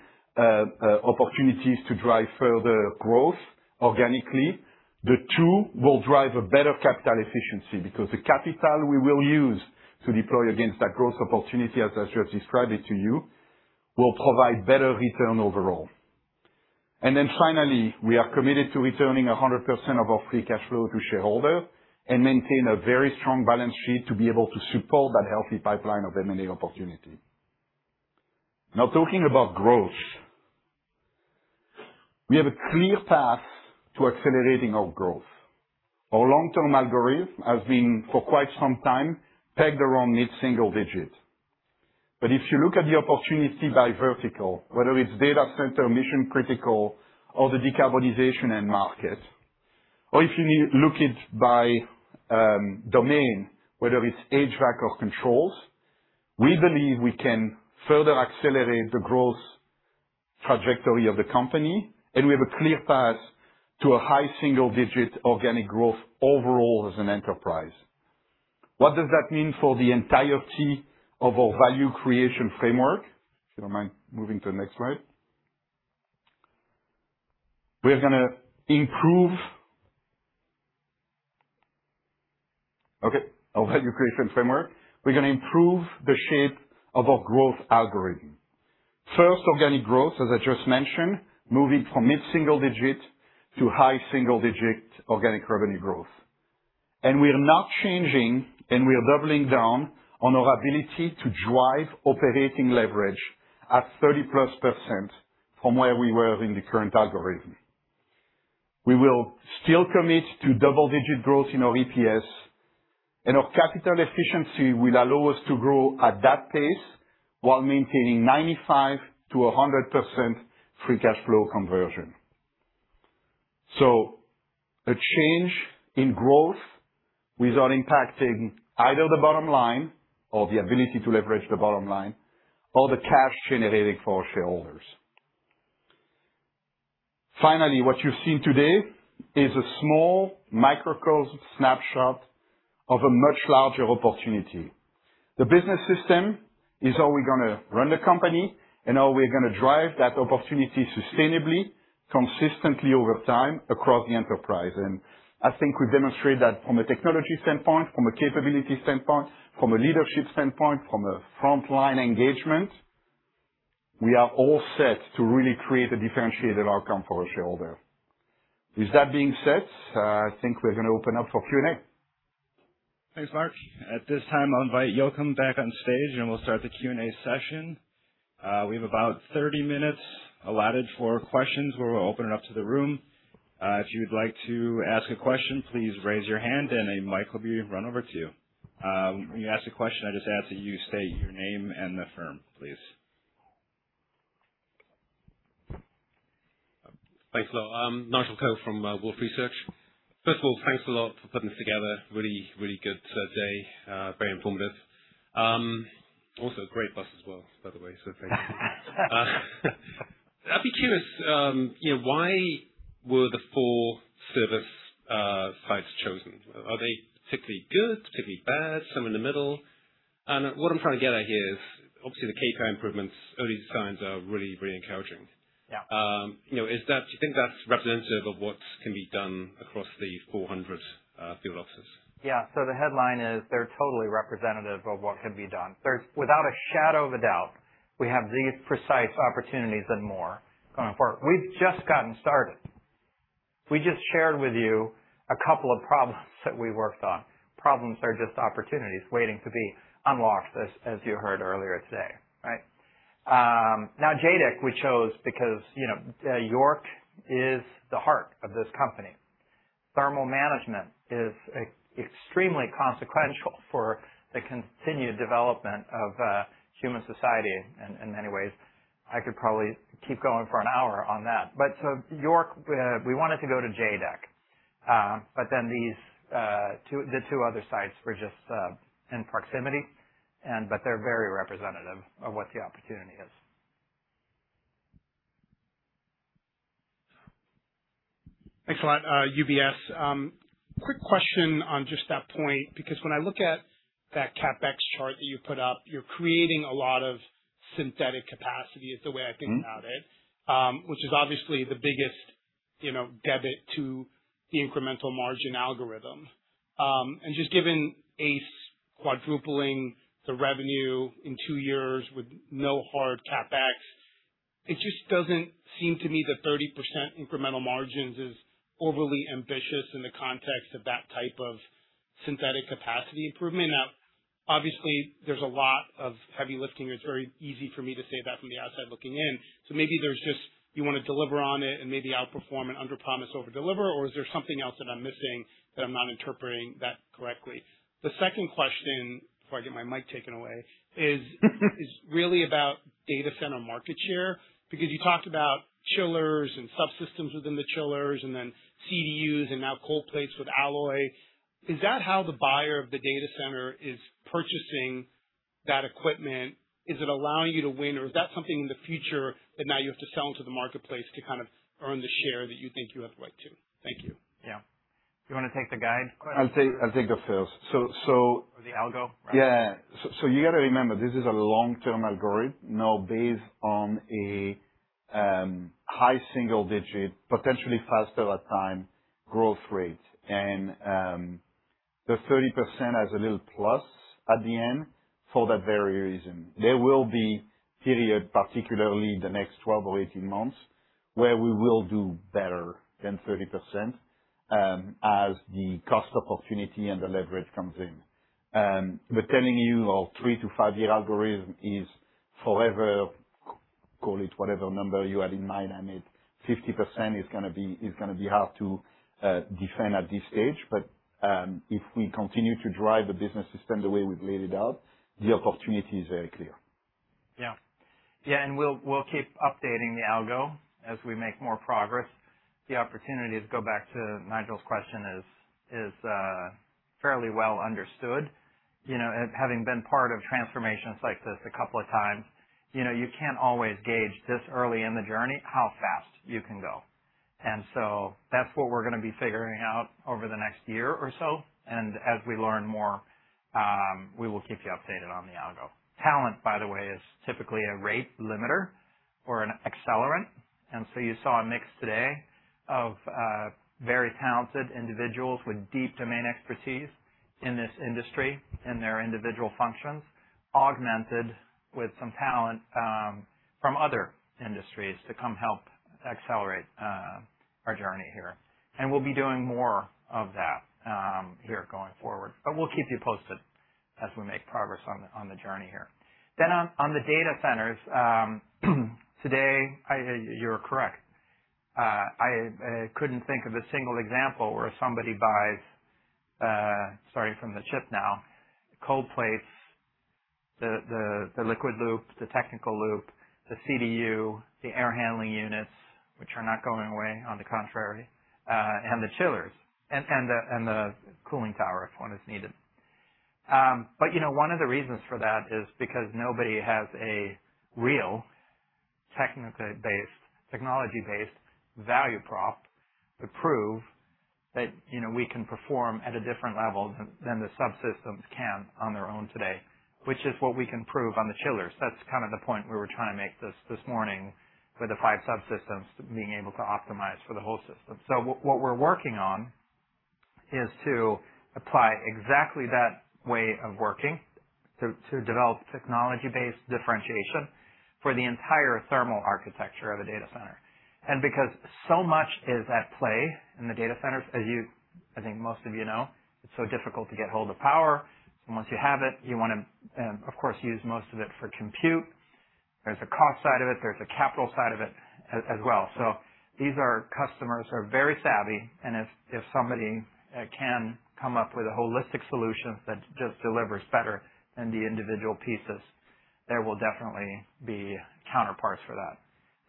opportunities to drive further growth organically. The two will drive a better capital efficiency because the capital we will use to deploy against that growth opportunity, as I just described it to you, will provide better return overall. Finally, we are committed to returning 100% of our free cash flow to shareholders and maintain a very strong balance sheet to be able to support that healthy pipeline of M&A opportunity. Talking about growth. We have a clear path to accelerating our growth. Our long-term algorithm has been, for quite some time, pegged around mid-single digits. If you look at the opportunity by vertical, whether it's data center, mission critical, or the decarbonization end market, or if you look at it by domain, whether it's HVAC or controls, we believe we can further accelerate the growth trajectory of the company, and we have a clear path to a high single-digit organic growth overall as an enterprise. What does that mean for the entirety of our value creation framework? If you don't mind moving to the next slide. We're going to improve. Our value creation framework. We're going to improve the shape of our growth algorithm. First, organic growth, as I just mentioned, moving from mid-single digit to high single-digit organic revenue growth. We are not changing, and we are doubling down on our ability to drive operating leverage at 30% plus from where we were in the current algorithm. We will still commit to double-digit growth in our EPS, our capital efficiency will allow us to grow at that pace while maintaining 95%-100% free cash flow conversion. A change in growth without impacting either the bottom line or the ability to leverage the bottom line or the cash generated for shareholders. Finally, what you've seen today is a small microcosm snapshot of a much larger opportunity. The business system is how we're going to run the company and how we're going to drive that opportunity sustainably, consistently over time across the enterprise. I think we demonstrate that from a technology standpoint, from a capability standpoint, from a leadership standpoint, from a frontline engagement. We are all set to really create a differentiated outcome for our shareholder. With that being said, I think we're going to open up for Q&A. Thanks, Marc. At this time, I'll invite Joakim back on stage. We'll start the Q&A session. We have about 30 minutes allotted for questions where we'll open it up to the room. If you'd like to ask a question, please raise your hand and a mic will be run over to you. When you ask a question, I just ask that you state your name and the firm, please. Thanks a lot. Nigel Coe from Wolfe Research. First of all, thanks a lot for putting this together. Really, really good day. Very informative. Great bus as well, by the way, so thanks. I'd be curious, why were the four service sites chosen? Are they particularly good, particularly bad, some in the middle? What I'm trying to get at here is, obviously, the CapEx improvements, early signs are really, really encouraging. Yeah. Do you think that's representative of what can be done across the 400 field offices? Yeah. The headline is, they're totally representative of what can be done. Without a shadow of a doubt, we have these precise opportunities and more going forward. We've just gotten started. We just shared with you a couple of problems that we worked on. Problems are just opportunities waiting to be unlocked, as you heard earlier today, right? JADEC we chose because YORK is the heart of this company. Thermal management is extremely consequential for the continued development of human society in many ways. I could probably keep going for an hour on that. YORK, we wanted to go to JADEC. The two other sites were just in proximity, but they're very representative of what the opportunity is. Thanks a lot. UBS. Quick question on just that point, because when I look at that CapEx chart that you put up, you're creating a lot of synthetic capacity, is the way I think about it. Which is obviously the biggest debit to the incremental margin algorithm. Just given Alloy quadrupling the revenue in two years with no hard CapEx, it just doesn't seem to me the 30% incremental margins is overly ambitious in the context of that type of synthetic capacity improvement. Obviously, there's a lot of heavy lifting. It's very easy for me to say that from the outside looking in. Maybe there's just, you want to deliver on it and maybe outperform and underpromise, overdeliver, or is there something else that I'm missing, that I'm not interpreting that correctly? The second question, before I get my mic taken away, is really about data center market share. You talked about chillers and subsystems within the chillers, and then CDUs and now cold plates with Alloy. Is that how the buyer of the data center is purchasing that equipment? Is it allowing you to win or is that something in the future that now you have to sell into the marketplace to kind of earn the share that you think you have right to? Thank you. Yeah. Do you want to take the guide question? I'll take the first. The algo? Yeah. You got to remember, this is a long-term algorithm now based on a high single digit, potentially faster at time, growth rate. The 30% has a little plus at the end for that very reason. There will be periods, particularly the next 12 or 18 months, where we will do better than 30%, as the cost opportunity and the leverage comes in. Telling you a three- to five-year algorithm is forever, call it whatever number you have in mind, I mean, 50% is going to be hard to defend at this stage. If we continue to drive the business system the way we've laid it out, the opportunity is very clear. Yeah. We'll keep updating the algo as we make more progress. The opportunity, to go back to Nigel's question is, fairly well understood. Having been part of transformations like this a couple of times, you can't always gauge this early in the journey how fast you can go. That's what we're going to be figuring out over the next year or so. As we learn more, we will keep you updated on the algo. Talent, by the way, is typically a rate limiter or an accelerant. You saw a mix today of very talented individuals with deep domain expertise in this industry, in their individual functions, augmented with some talent from other industries to come help accelerate our journey here. We'll be doing more of that here going forward. We'll keep you posted as we make progress on the journey here. On the data centers, today, you're correct. I couldn't think of a single example where somebody buys, starting from the chip now, cold plates, the liquid loop, the technical loop, the CDU, the air handling units, which are not going away, on the contrary, and the chillers, and the cooling tower if one is needed. One of the reasons for that is because nobody has a real technology-based value prop to prove that we can perform at a different level than the subsystems can on their own today, which is what we can prove on the chillers. That's kind of the point we were trying to make this morning with the 5 subsystems being able to optimize for the whole system. What we're working on is to apply exactly that way of working to develop technology-based differentiation for the entire thermal architecture of a data center. Because so much is at play in the data centers, as I think most of you know, it's so difficult to get hold of power, and once you have it, you want to, of course, use most of it for compute. There's a cost side of it, there's a capital side of it as well. These are customers who are very savvy, and if somebody can come up with a holistic solution that just delivers better than the individual pieces, there will definitely be counterparts for that.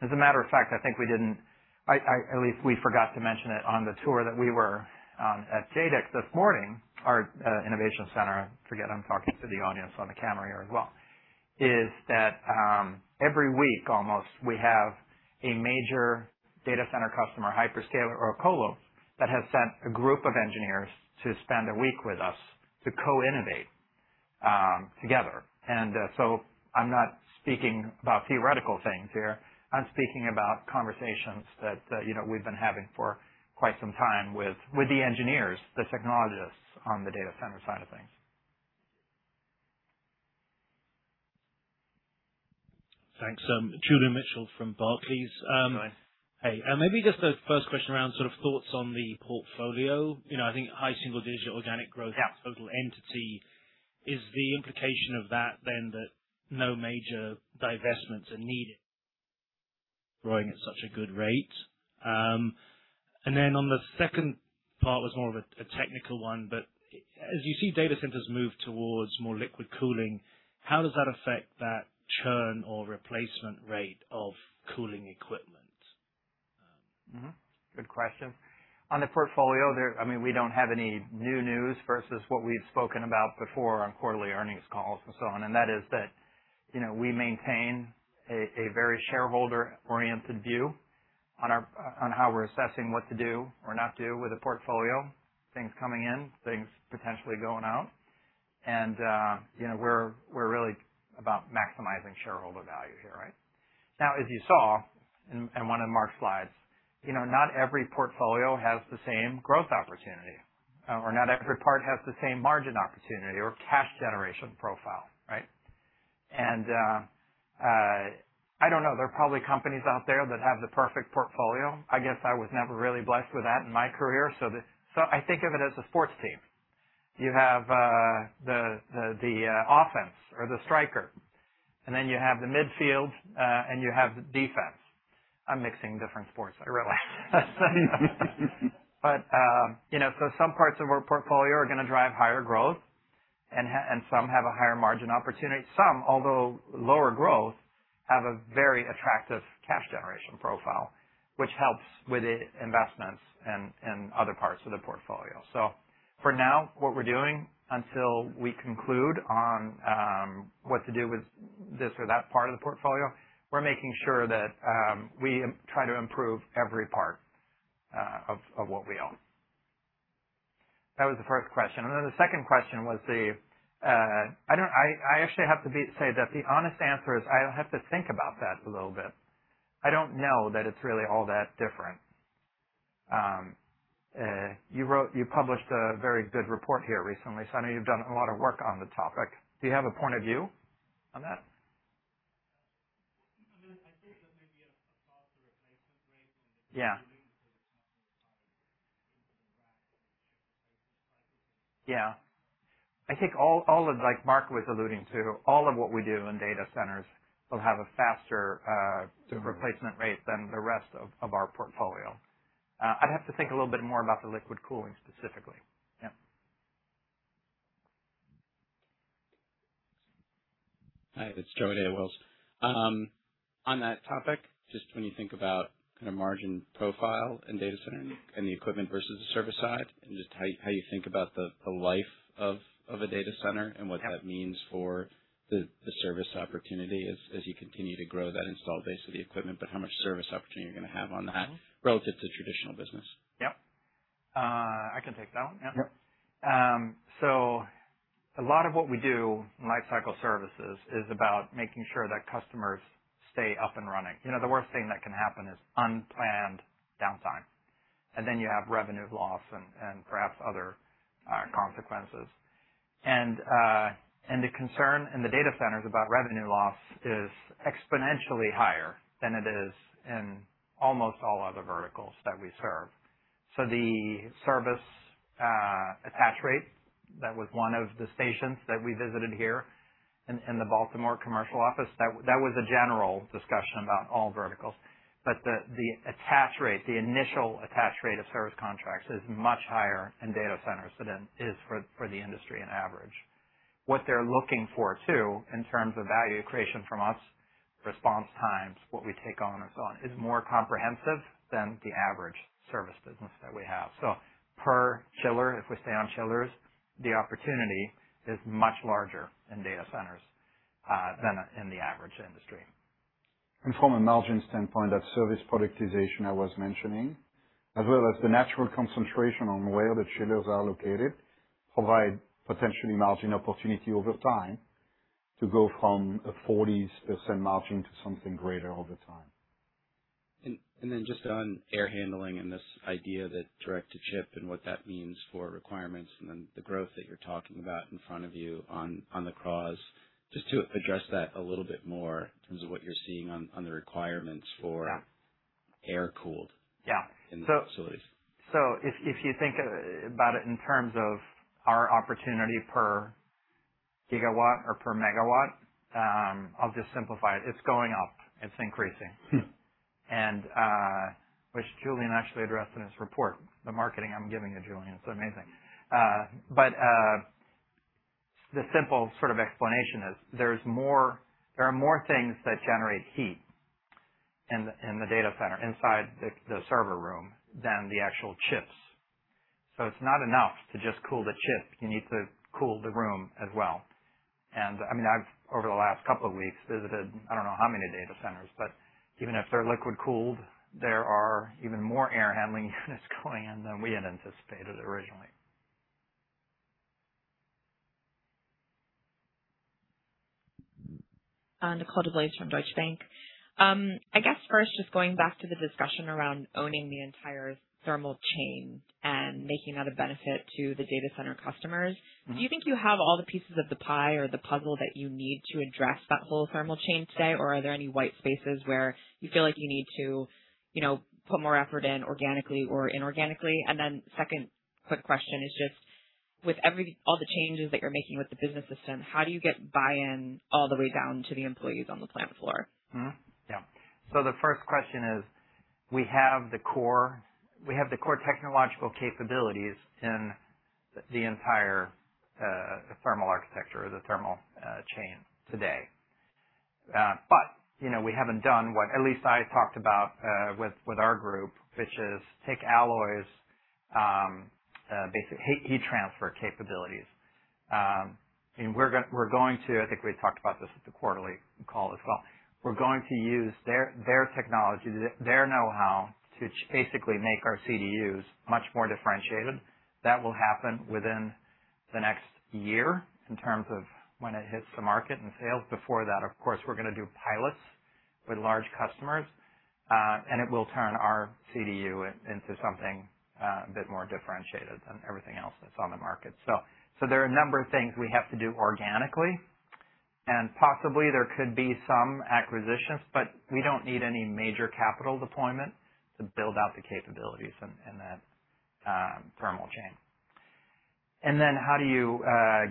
As a matter of fact, I think we didn't, at least we forgot to mention it on the tour that we were at JADEC this morning, our innovation center, I forget I'm talking to the audience on the camera here as well, is that every week almost we have a major data center customer hyperscaler or a colo that has sent a group of engineers to spend a week with us to co-innovate together. I'm not speaking about theoretical things here. I'm speaking about conversations that we've been having for quite some time with the engineers, the technologists on the data center side of things. Thanks. Julian Mitchell from Barclays. Hi. Hey. Maybe just a first question around sort of thoughts on the portfolio. I think high single-digit organic growth. Yeah total entity. Is the implication of that then that no major divestments are needed, growing at such a good rate? Then on the second part was more of a technical one, as you see data centers move towards more liquid cooling, how does that affect that churn or replacement rate of cooling equipment? Good question. On the portfolio there, we don't have any new news versus what we've spoken about before on quarterly earnings calls and so on. That is that we maintain a very shareholder-oriented view on how we're assessing what to do or not do with a portfolio, things coming in, things potentially going out. We're really about maximizing shareholder value here, right? Now, as you saw in one of Marc's slides, not every portfolio has the same growth opportunity, or not every part has the same margin opportunity or cash generation profile, right? I don't know, there are probably companies out there that have the perfect portfolio. I guess I was never really blessed with that in my career. I think of it as a sports team. You have the offense or the striker, and then you have the midfield, and you have the defense. I'm mixing different sports, I realize. Some parts of our portfolio are going to drive higher growth and some have a higher margin opportunity. Some, although lower growth, have a very attractive cash generation profile, which helps with investments in other parts of the portfolio. For now, what we're doing until we conclude on what to do with this or that part of the portfolio, we're making sure that we try to improve every part of what we own. That was the first question. The second question was I actually have to say that the honest answer is I'll have to think about that a little bit. I don't know that it's really all that different. You published a very good report here recently, so I know you've done a lot of work on the topic. Do you have a point of view on that? I think that may be a faster replacement rate in the- Yeah cooling because it's not going to require input and rack and ship places. Yeah. I think all of, like Marc was alluding to, all of what we do in data centers will have a faster replacement rate than the rest of our portfolio. I'd have to think a little bit more about the liquid cooling specifically. Yeah. Hi, it's Joe at Wells. On that topic, just when you think about kind of margin profile in data center and the equipment versus the service side, and just how you think about the life of a data center and what that means for the service opportunity as you continue to grow that install base of the equipment, but how much service opportunity you're going to have on that relative to traditional business. Yep. I can take that one. Yeah. Yep. A lot of what we do in lifecycle services is about making sure that customers stay up and running. The worst thing that can happen is unplanned downtime, and then you have revenue loss and perhaps other consequences. The concern in the data centers about revenue loss is exponentially higher than it is in almost all other verticals that we serve. The service attach rate, that was one of the stations that we visited here in the Baltimore commercial office, that was a general discussion about all verticals. The attach rate, the initial attach rate of service contracts is much higher in data centers than it is for the industry on average. What they're looking for, too, in terms of value creation from us, response times, what we take on and so on, is more comprehensive than the average service business that we have. Per chiller, if we stay on chillers, the opportunity is much larger in data centers, than in the average industry. From a margin standpoint, that service productization I was mentioning, as well as the natural concentration on where the chillers are located, provide potential margin opportunity over time to go from a 40% margin to something greater over time. Just on air handling and this idea that direct to chip and what that means for requirements, the growth that you're talking about in front of you on the colos, just to address that a little bit more in terms of what you're seeing on the requirements for? Air-cooled- Yeah in the facilities. If you think about it in terms of our opportunity per gigawatt or per megawatt, I'll just simplify it's going up, it's increasing. Which Julian actually addressed in his report. The marketing I'm giving you, Julian, it's amazing. The simple sort of explanation is there are more things that generate heat in the data center inside the server room than the actual chips. It's not enough to just cool the chip, you need to cool the room as well. I've, over the last couple of weeks, visited I don't know how many data centers, but even if they're liquid-cooled, there are even more air handling units going in than we had anticipated originally. Nicole DeBlase from Deutsche Bank. I guess first, just going back to the discussion around owning the entire thermal chain and making that a benefit to the data center customers. Do you think you have all the pieces of the pie or the puzzle that you need to address that whole thermal chain today? Are there any white spaces where you feel like you need to put more effort in organically or inorganically? Second quick question is just, with all the changes that you're making with the business system, how do you get buy-in all the way down to the employees on the plant floor? Mm-hmm. Yeah. The first question is, we have the core technological capabilities in the entire thermal architecture or the thermal chain today. We haven't done what at least I talked about with our group, which is take Alloy, basically heat transfer capabilities. I think we talked about this at the quarterly call as well. We're going to use their technology, their know-how to basically make our CDUs much more differentiated. That will happen within the next year in terms of when it hits the market and sales. Before that, of course, we're going to do pilots with large customers. It will turn our CDU into something a bit more differentiated than everything else that's on the market. There are a number of things we have to do organically, and possibly there could be some acquisitions, but we don't need any major capital deployment to build out the capabilities in that thermal chain. How do you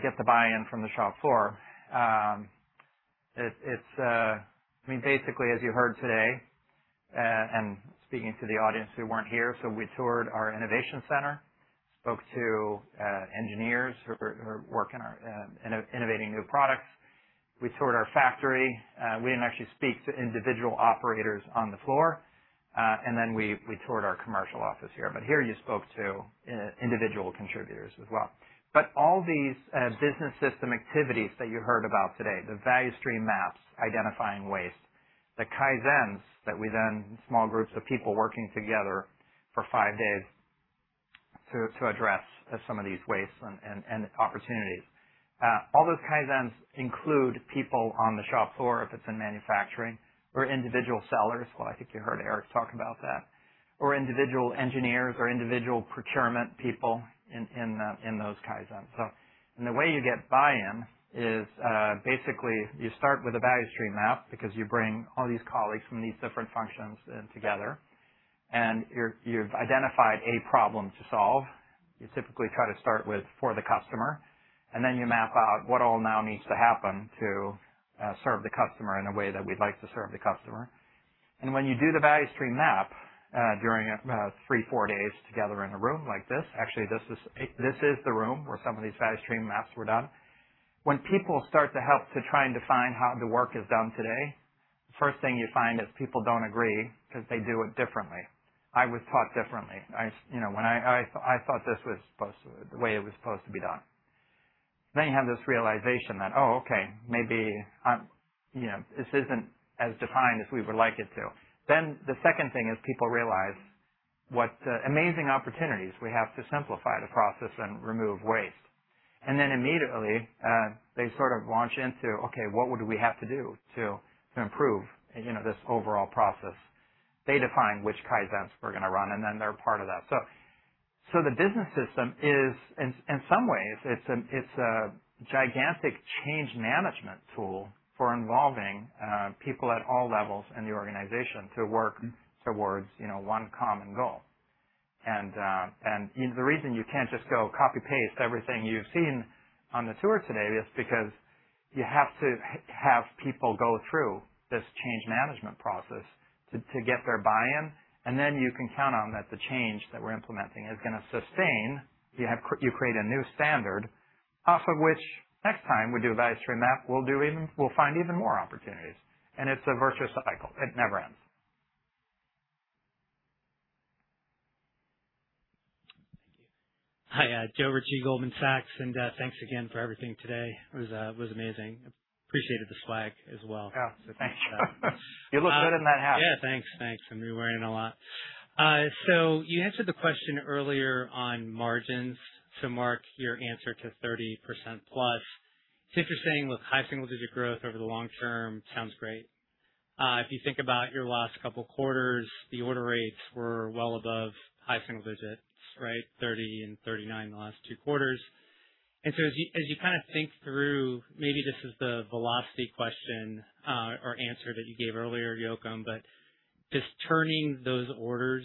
get the buy-in from the shop floor? Basically, as you heard today, and speaking to the audience who weren't here, we toured our innovation center, spoke to engineers who are working on innovating new products. We toured our factory. We didn't actually speak to individual operators on the floor. We toured our commercial office here, but here you spoke to individual contributors as well. All these business system activities that you heard about today, the value stream maps, identifying waste, the Kaizens that we, small groups of people working together for five days to address some of these wastes and opportunities. All those Kaizens include people on the shop floor, if it's in manufacturing, or individual sellers, or individual engineers or individual procurement people in those Kaizens. Well, I think you heard Eric talk about that. The way you get buy-in is, basically, you start with a value stream map because you bring all these colleagues from these different functions in together, and you've identified a problem to solve. You typically try to start with for the customer, and then you map out what all now needs to happen to serve the customer in a way that we'd like to serve the customer. When you do the value stream map, during three, four days together in a room like this, actually, this is the room where some of these value stream maps were done. When people start to help to try and define how the work is done today, first thing you find is people don't agree because they do it differently. I was taught differently. I thought this was the way it was supposed to be done. You have this realization that, oh, okay, maybe this isn't as defined as we would like it to. The second thing is people realize what amazing opportunities we have to simplify the process and remove waste. Immediately, they sort of launch into, okay, what would we have to do to improve this overall process? They define which Kaizens we're going to run, and then they're part of that. The business system is, in some ways, it's a gigantic change management tool for involving people at all levels in the organization to work towards one common goal. The reason you can't just go copy-paste everything you've seen on the tour today is because you have to have people go through this change management process to get their buy-in, and then you can count on that the change that we're implementing is going to sustain. You create a new standard off of which next time we do a value stream map, we'll find even more opportunities, and it's a virtuous cycle. It never ends. Thank you. Hi, Joe Ritchie, Goldman Sachs, and thanks again for everything today. It was amazing. Appreciated the swag as well. Yeah. You look good in that hat. Yeah, thanks. Thanks. I'm going to be wearing it a lot. You answered the question earlier on margins to Marc, your answer to 30% plus. It's interesting with high single-digit growth over the long term. Sounds great. If you think about your last couple of quarters, the order rates were well above high single digits, right? 30 and 39 the last two quarters. As you kind of think through, maybe this is the velocity question, or answer that you gave earlier, Joakim, but just turning those orders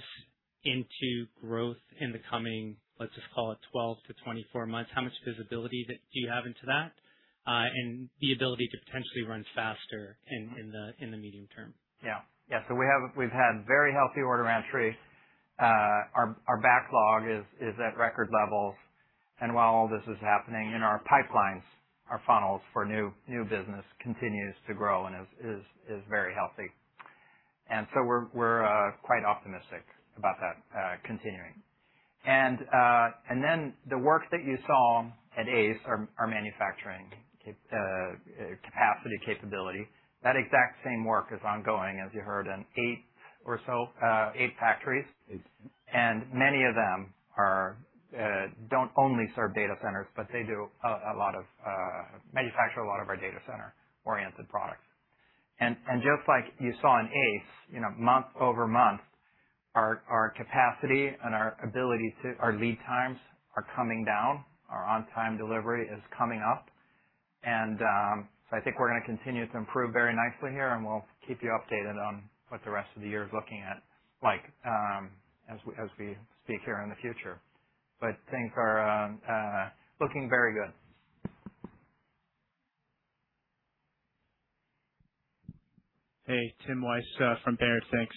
into growth in the coming, let's just call it 12-24 months, how much visibility do you have into that? and the ability to potentially run faster in the medium term? Yeah. We've had very healthy order entry. Our backlog is at record levels. While all this is happening in our pipelines, our funnels for new business continues to grow and is very healthy. We're quite optimistic about that continuing. The work that you saw at ACE, our manufacturing capacity capability, that exact same work is ongoing, as you heard, in eight or so factories. Many of them don't only serve data centers, but they manufacture a lot of our data center-oriented products. Just like you saw in ACE, month-over-month, our capacity and our lead times are coming down. Our on-time delivery is coming up. I think we're going to continue to improve very nicely here, and we'll keep you updated on what the rest of the year is looking like, as we speak here in the future. Things are looking very good. Hey, Timothy Wojs from Baird. Thanks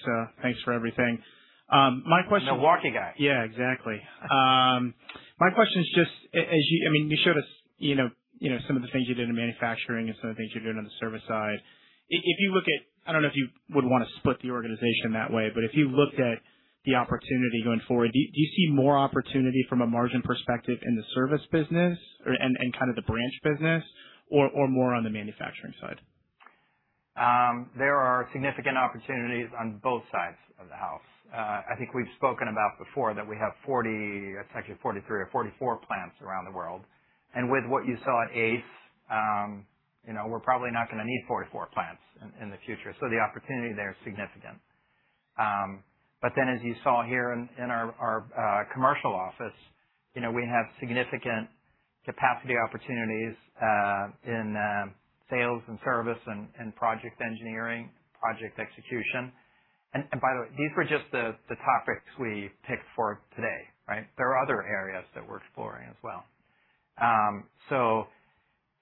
for everything. Milwaukee guy. Yeah, exactly. You showed us some of the things you did in manufacturing and some of the things you're doing on the service side. I don't know if you would want to split the organization that way, but if you looked at the opportunity going forward, do you see more opportunity from a margin perspective in the service business and kind of the branch business or more on the manufacturing side? There are significant opportunities on both sides of the house. I think we've spoken about before that we have 40, it's actually 43 or 44 plants around the world. With what you saw at ACE, we're probably not going to need 44 plants in the future. The opportunity there is significant. Then, as you saw here in our commercial office, we have significant capacity opportunities, in sales and service and project engineering, project execution. By the way, these were just the topics we picked for today, right? There are other areas that we're exploring as well.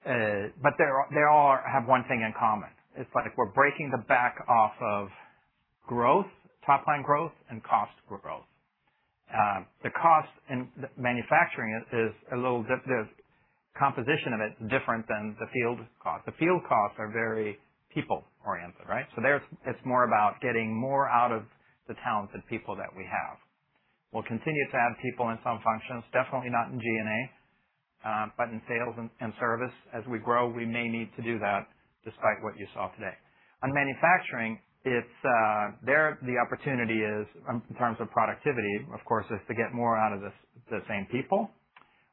They all have one thing in common. It's like we're breaking the back off of growth, top-line growth, and cost growth. The cost in manufacturing, the composition of it is different than the field cost. The field costs are very people-oriented, right? There it's more about getting more out of the talented people that we have. We'll continue to add people in some functions, definitely not in G&A, but in sales and service. As we grow, we may need to do that despite what you saw today. On manufacturing, there the opportunity is in terms of productivity, of course, is to get more out of the same people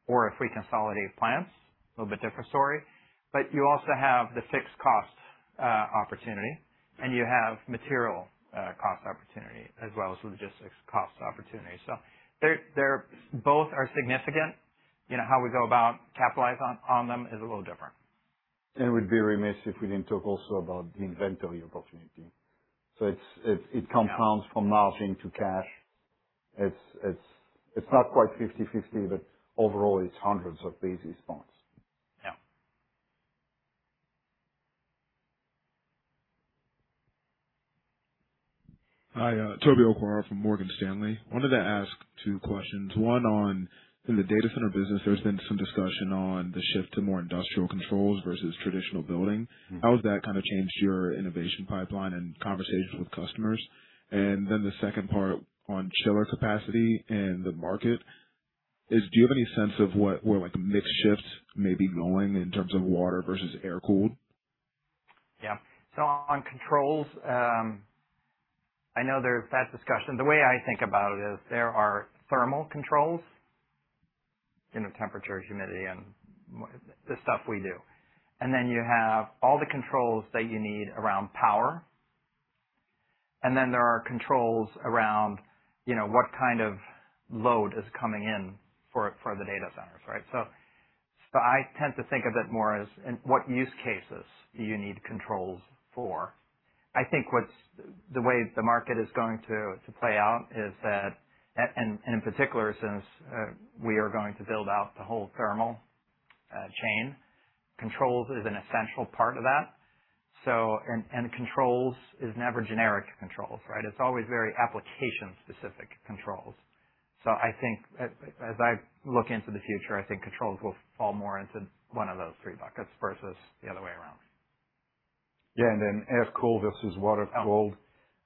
or if we consolidate plants, a little bit different story, but you also have the fixed cost opportunity, and you have material cost opportunity as well as logistics cost opportunity. Both are significant. How we go about capitalizing on them is a little different. We'd be remiss if we didn't talk also about the inventory opportunity. It compounds from margin to cash. It's not quite 50/50, but overall, it's hundreds of basis points. Yeah. Hi, Toby Okwara from Morgan Stanley. Wanted to ask two questions. One, in the data center business, there's been some discussion on the shift to more industrial controls versus traditional building. How has that kind of changed your innovation pipeline and conversations with customers? The second part on chiller capacity and the market is, do you have any sense of where the mix shift may be going in terms of water versus air-cooled? On controls, I know there's that discussion. The way I think about it is there are thermal controls, temperature, humidity, and the stuff we do. Then you have all the controls that you need around power, and then there are controls around what kind of load is coming in for the data centers, right? I tend to think of it more as in what use cases do you need controls for. I think the way the market is going to play out is that, in particular, since we are going to build out the whole thermal chain, controls is an essential part of that. Controls is never generic controls, right? It's always very application-specific controls. I think as I look into the future, I think controls will fall more into one of those three buckets versus the other way around. Yeah. Air-cooled versus water-cooled.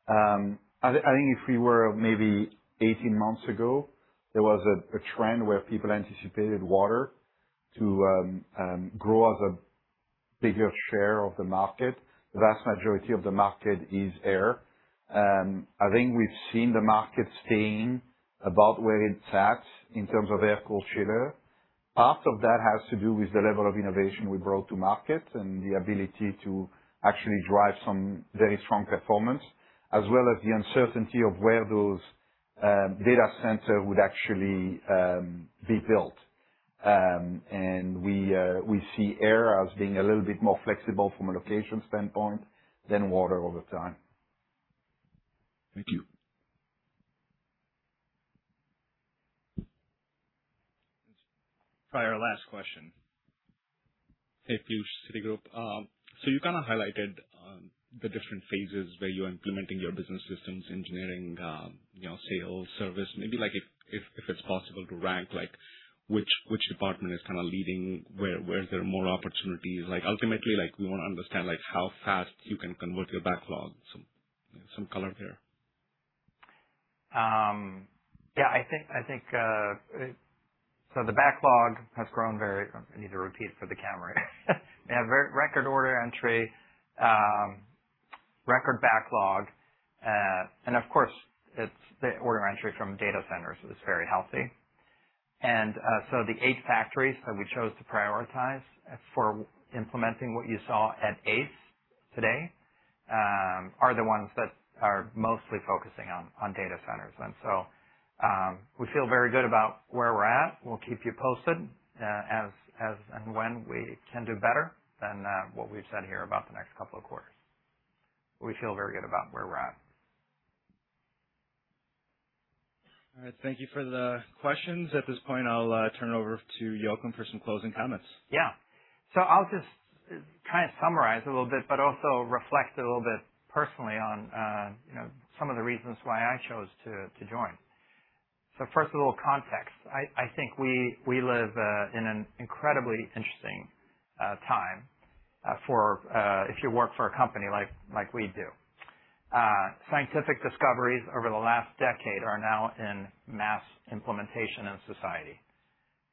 I think if we were maybe 18 months ago, there was a trend where people anticipated water to grow as a bigger share of the market. The vast majority of the market is air. I think we've seen the market staying about where it sat in terms of air-cooled chiller. Part of that has to do with the level of innovation we brought to market and the ability to actually drive some very strong performance, as well as the uncertainty of where those data center would actually be built. We see air as being a little bit more flexible from a location standpoint than water over time. Thank you. Probably our last question. Hey, Piyush, Citigroup. You kind of highlighted the different phases where you're implementing your business systems, engineering, sales, service. Maybe if it's possible to rank which department is kind of leading, where there are more opportunities. Ultimately, we want to understand how fast you can convert your backlog. Some color there. The backlog has grown. I need to repeat for the camera. Record order entry, record backlog. Of course, it's the order entry from data centers is very healthy. The eight factories that we chose to prioritize for implementing what you saw at ACE today, are the ones that are mostly focusing on data centers. We feel very good about where we're at. We'll keep you posted as and when we can do better than what we've said here about the next couple of quarters. We feel very good about where we're at. All right. Thank you for the questions. At this point, I'll turn it over to Joakim for some closing comments. I'll just kind of summarize a little bit, but also reflect a little bit personally on some of the reasons why I chose to join. First, a little context. I think we live in an incredibly interesting time if you work for a company like we do. Scientific discoveries over the last decade are now in mass implementation in society.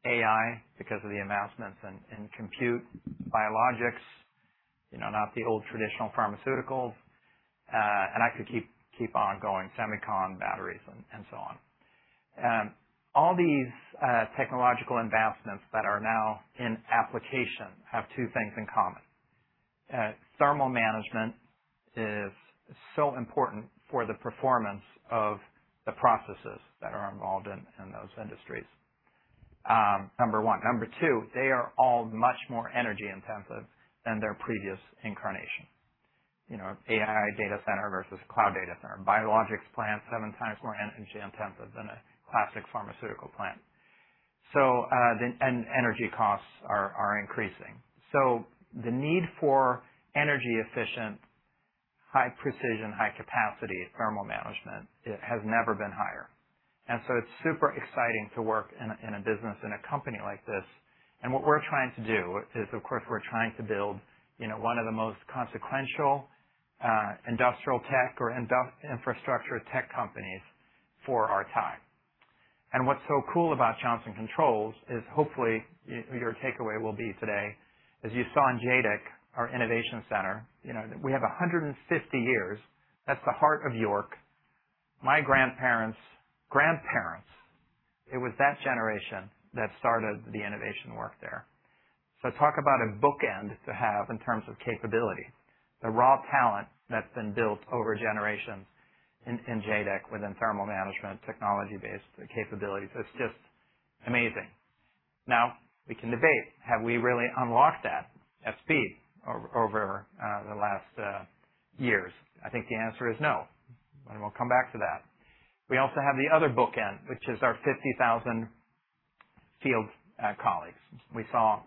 AI, because of the advancements in compute, biologics, not the old traditional pharmaceuticals, and I could keep on going, semicon, batteries, and so on. All these technological advancements that are now in application have two things in common. Thermal management is so important for the performance of the processes that are involved in those industries, number 1. Number 2, they are all much more energy-intensive than their previous incarnation. AI data center versus cloud data center. Biologics plant, seven times more energy-intensive than a classic pharmaceutical plant. Energy costs are increasing. The need for energy-efficient, high-precision, high-capacity thermal management has never been higher. It's super exciting to work in a business, in a company like this. What we're trying to do is, of course, we're trying to build one of the most consequential industrial tech or infrastructure tech companies for our time. What's so cool about Johnson Controls is, hopefully, your takeaway will be today, as you saw in JADEC, our innovation center, we have 150 years at the heart of YORK. My grandparents' grandparents, it was that generation that started the innovation work there. Talk about a bookend to have in terms of capability. The raw talent that's been built over generations in JADEC within thermal management, technology-based capabilities, it's just amazing. Now, we can debate, have we really unlocked that at speed over the last years? I think the answer is no, and we'll come back to that. We also have the other bookend, which is our 50,000 field colleagues. We saw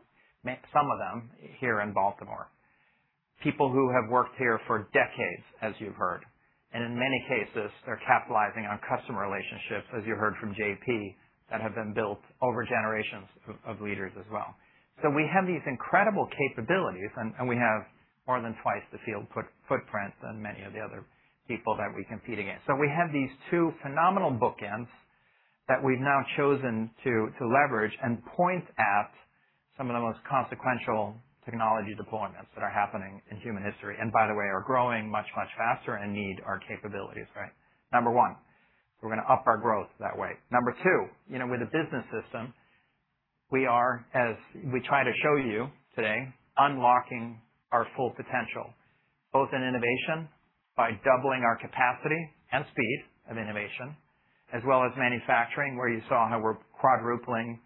some of them here in Baltimore. People who have worked here for decades, as you've heard. In many cases, they're capitalizing on customer relationships, as you heard from JP, that have been built over generations of leaders as well. We have these incredible capabilities, and we have more than twice the field footprint than many of the other people that we compete against. We have these two phenomenal bookends that we've now chosen to leverage and point at some of the most consequential technology deployments that are happening in human history, and by the way, are growing much, much faster and need our capabilities, right? Number one, we're going to up our growth that way. Number two, with the business system, we are, as we try to show you today, unlocking our full potential, both in innovation by doubling our capacity and speed of innovation, as well as manufacturing, where you saw how we're quadrupling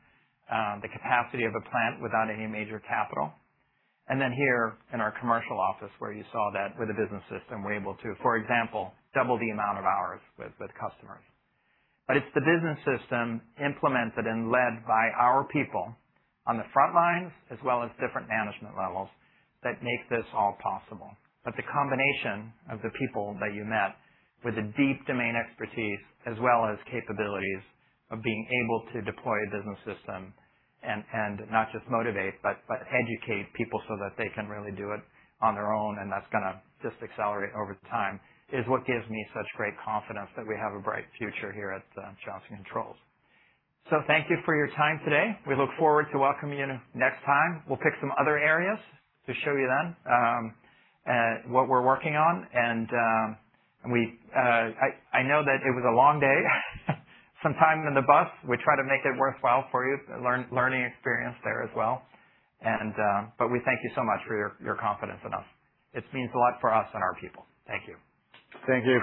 the capacity of a plant without any major CapEx. Then here in our commercial office, where you saw that with a business system, we're able to, for example, double the amount of hours with customers. It's the business system implemented and led by our people on the front lines as well as different management levels that make this all possible. The combination of the people that you met with the deep domain expertise as well as capabilities of being able to deploy a business system and not just motivate, but educate people so that they can really do it on their own, and that's going to just accelerate over time, is what gives me such great confidence that we have a bright future here at Johnson Controls. Thank you for your time today. We look forward to welcoming you next time. We'll pick some other areas to show you then what we're working on. I know that it was a long day. Some time in the bus. We try to make it worthwhile for you, learning experience there as well. We thank you so much for your confidence in us. It means a lot for us and our people. Thank you. Thank you.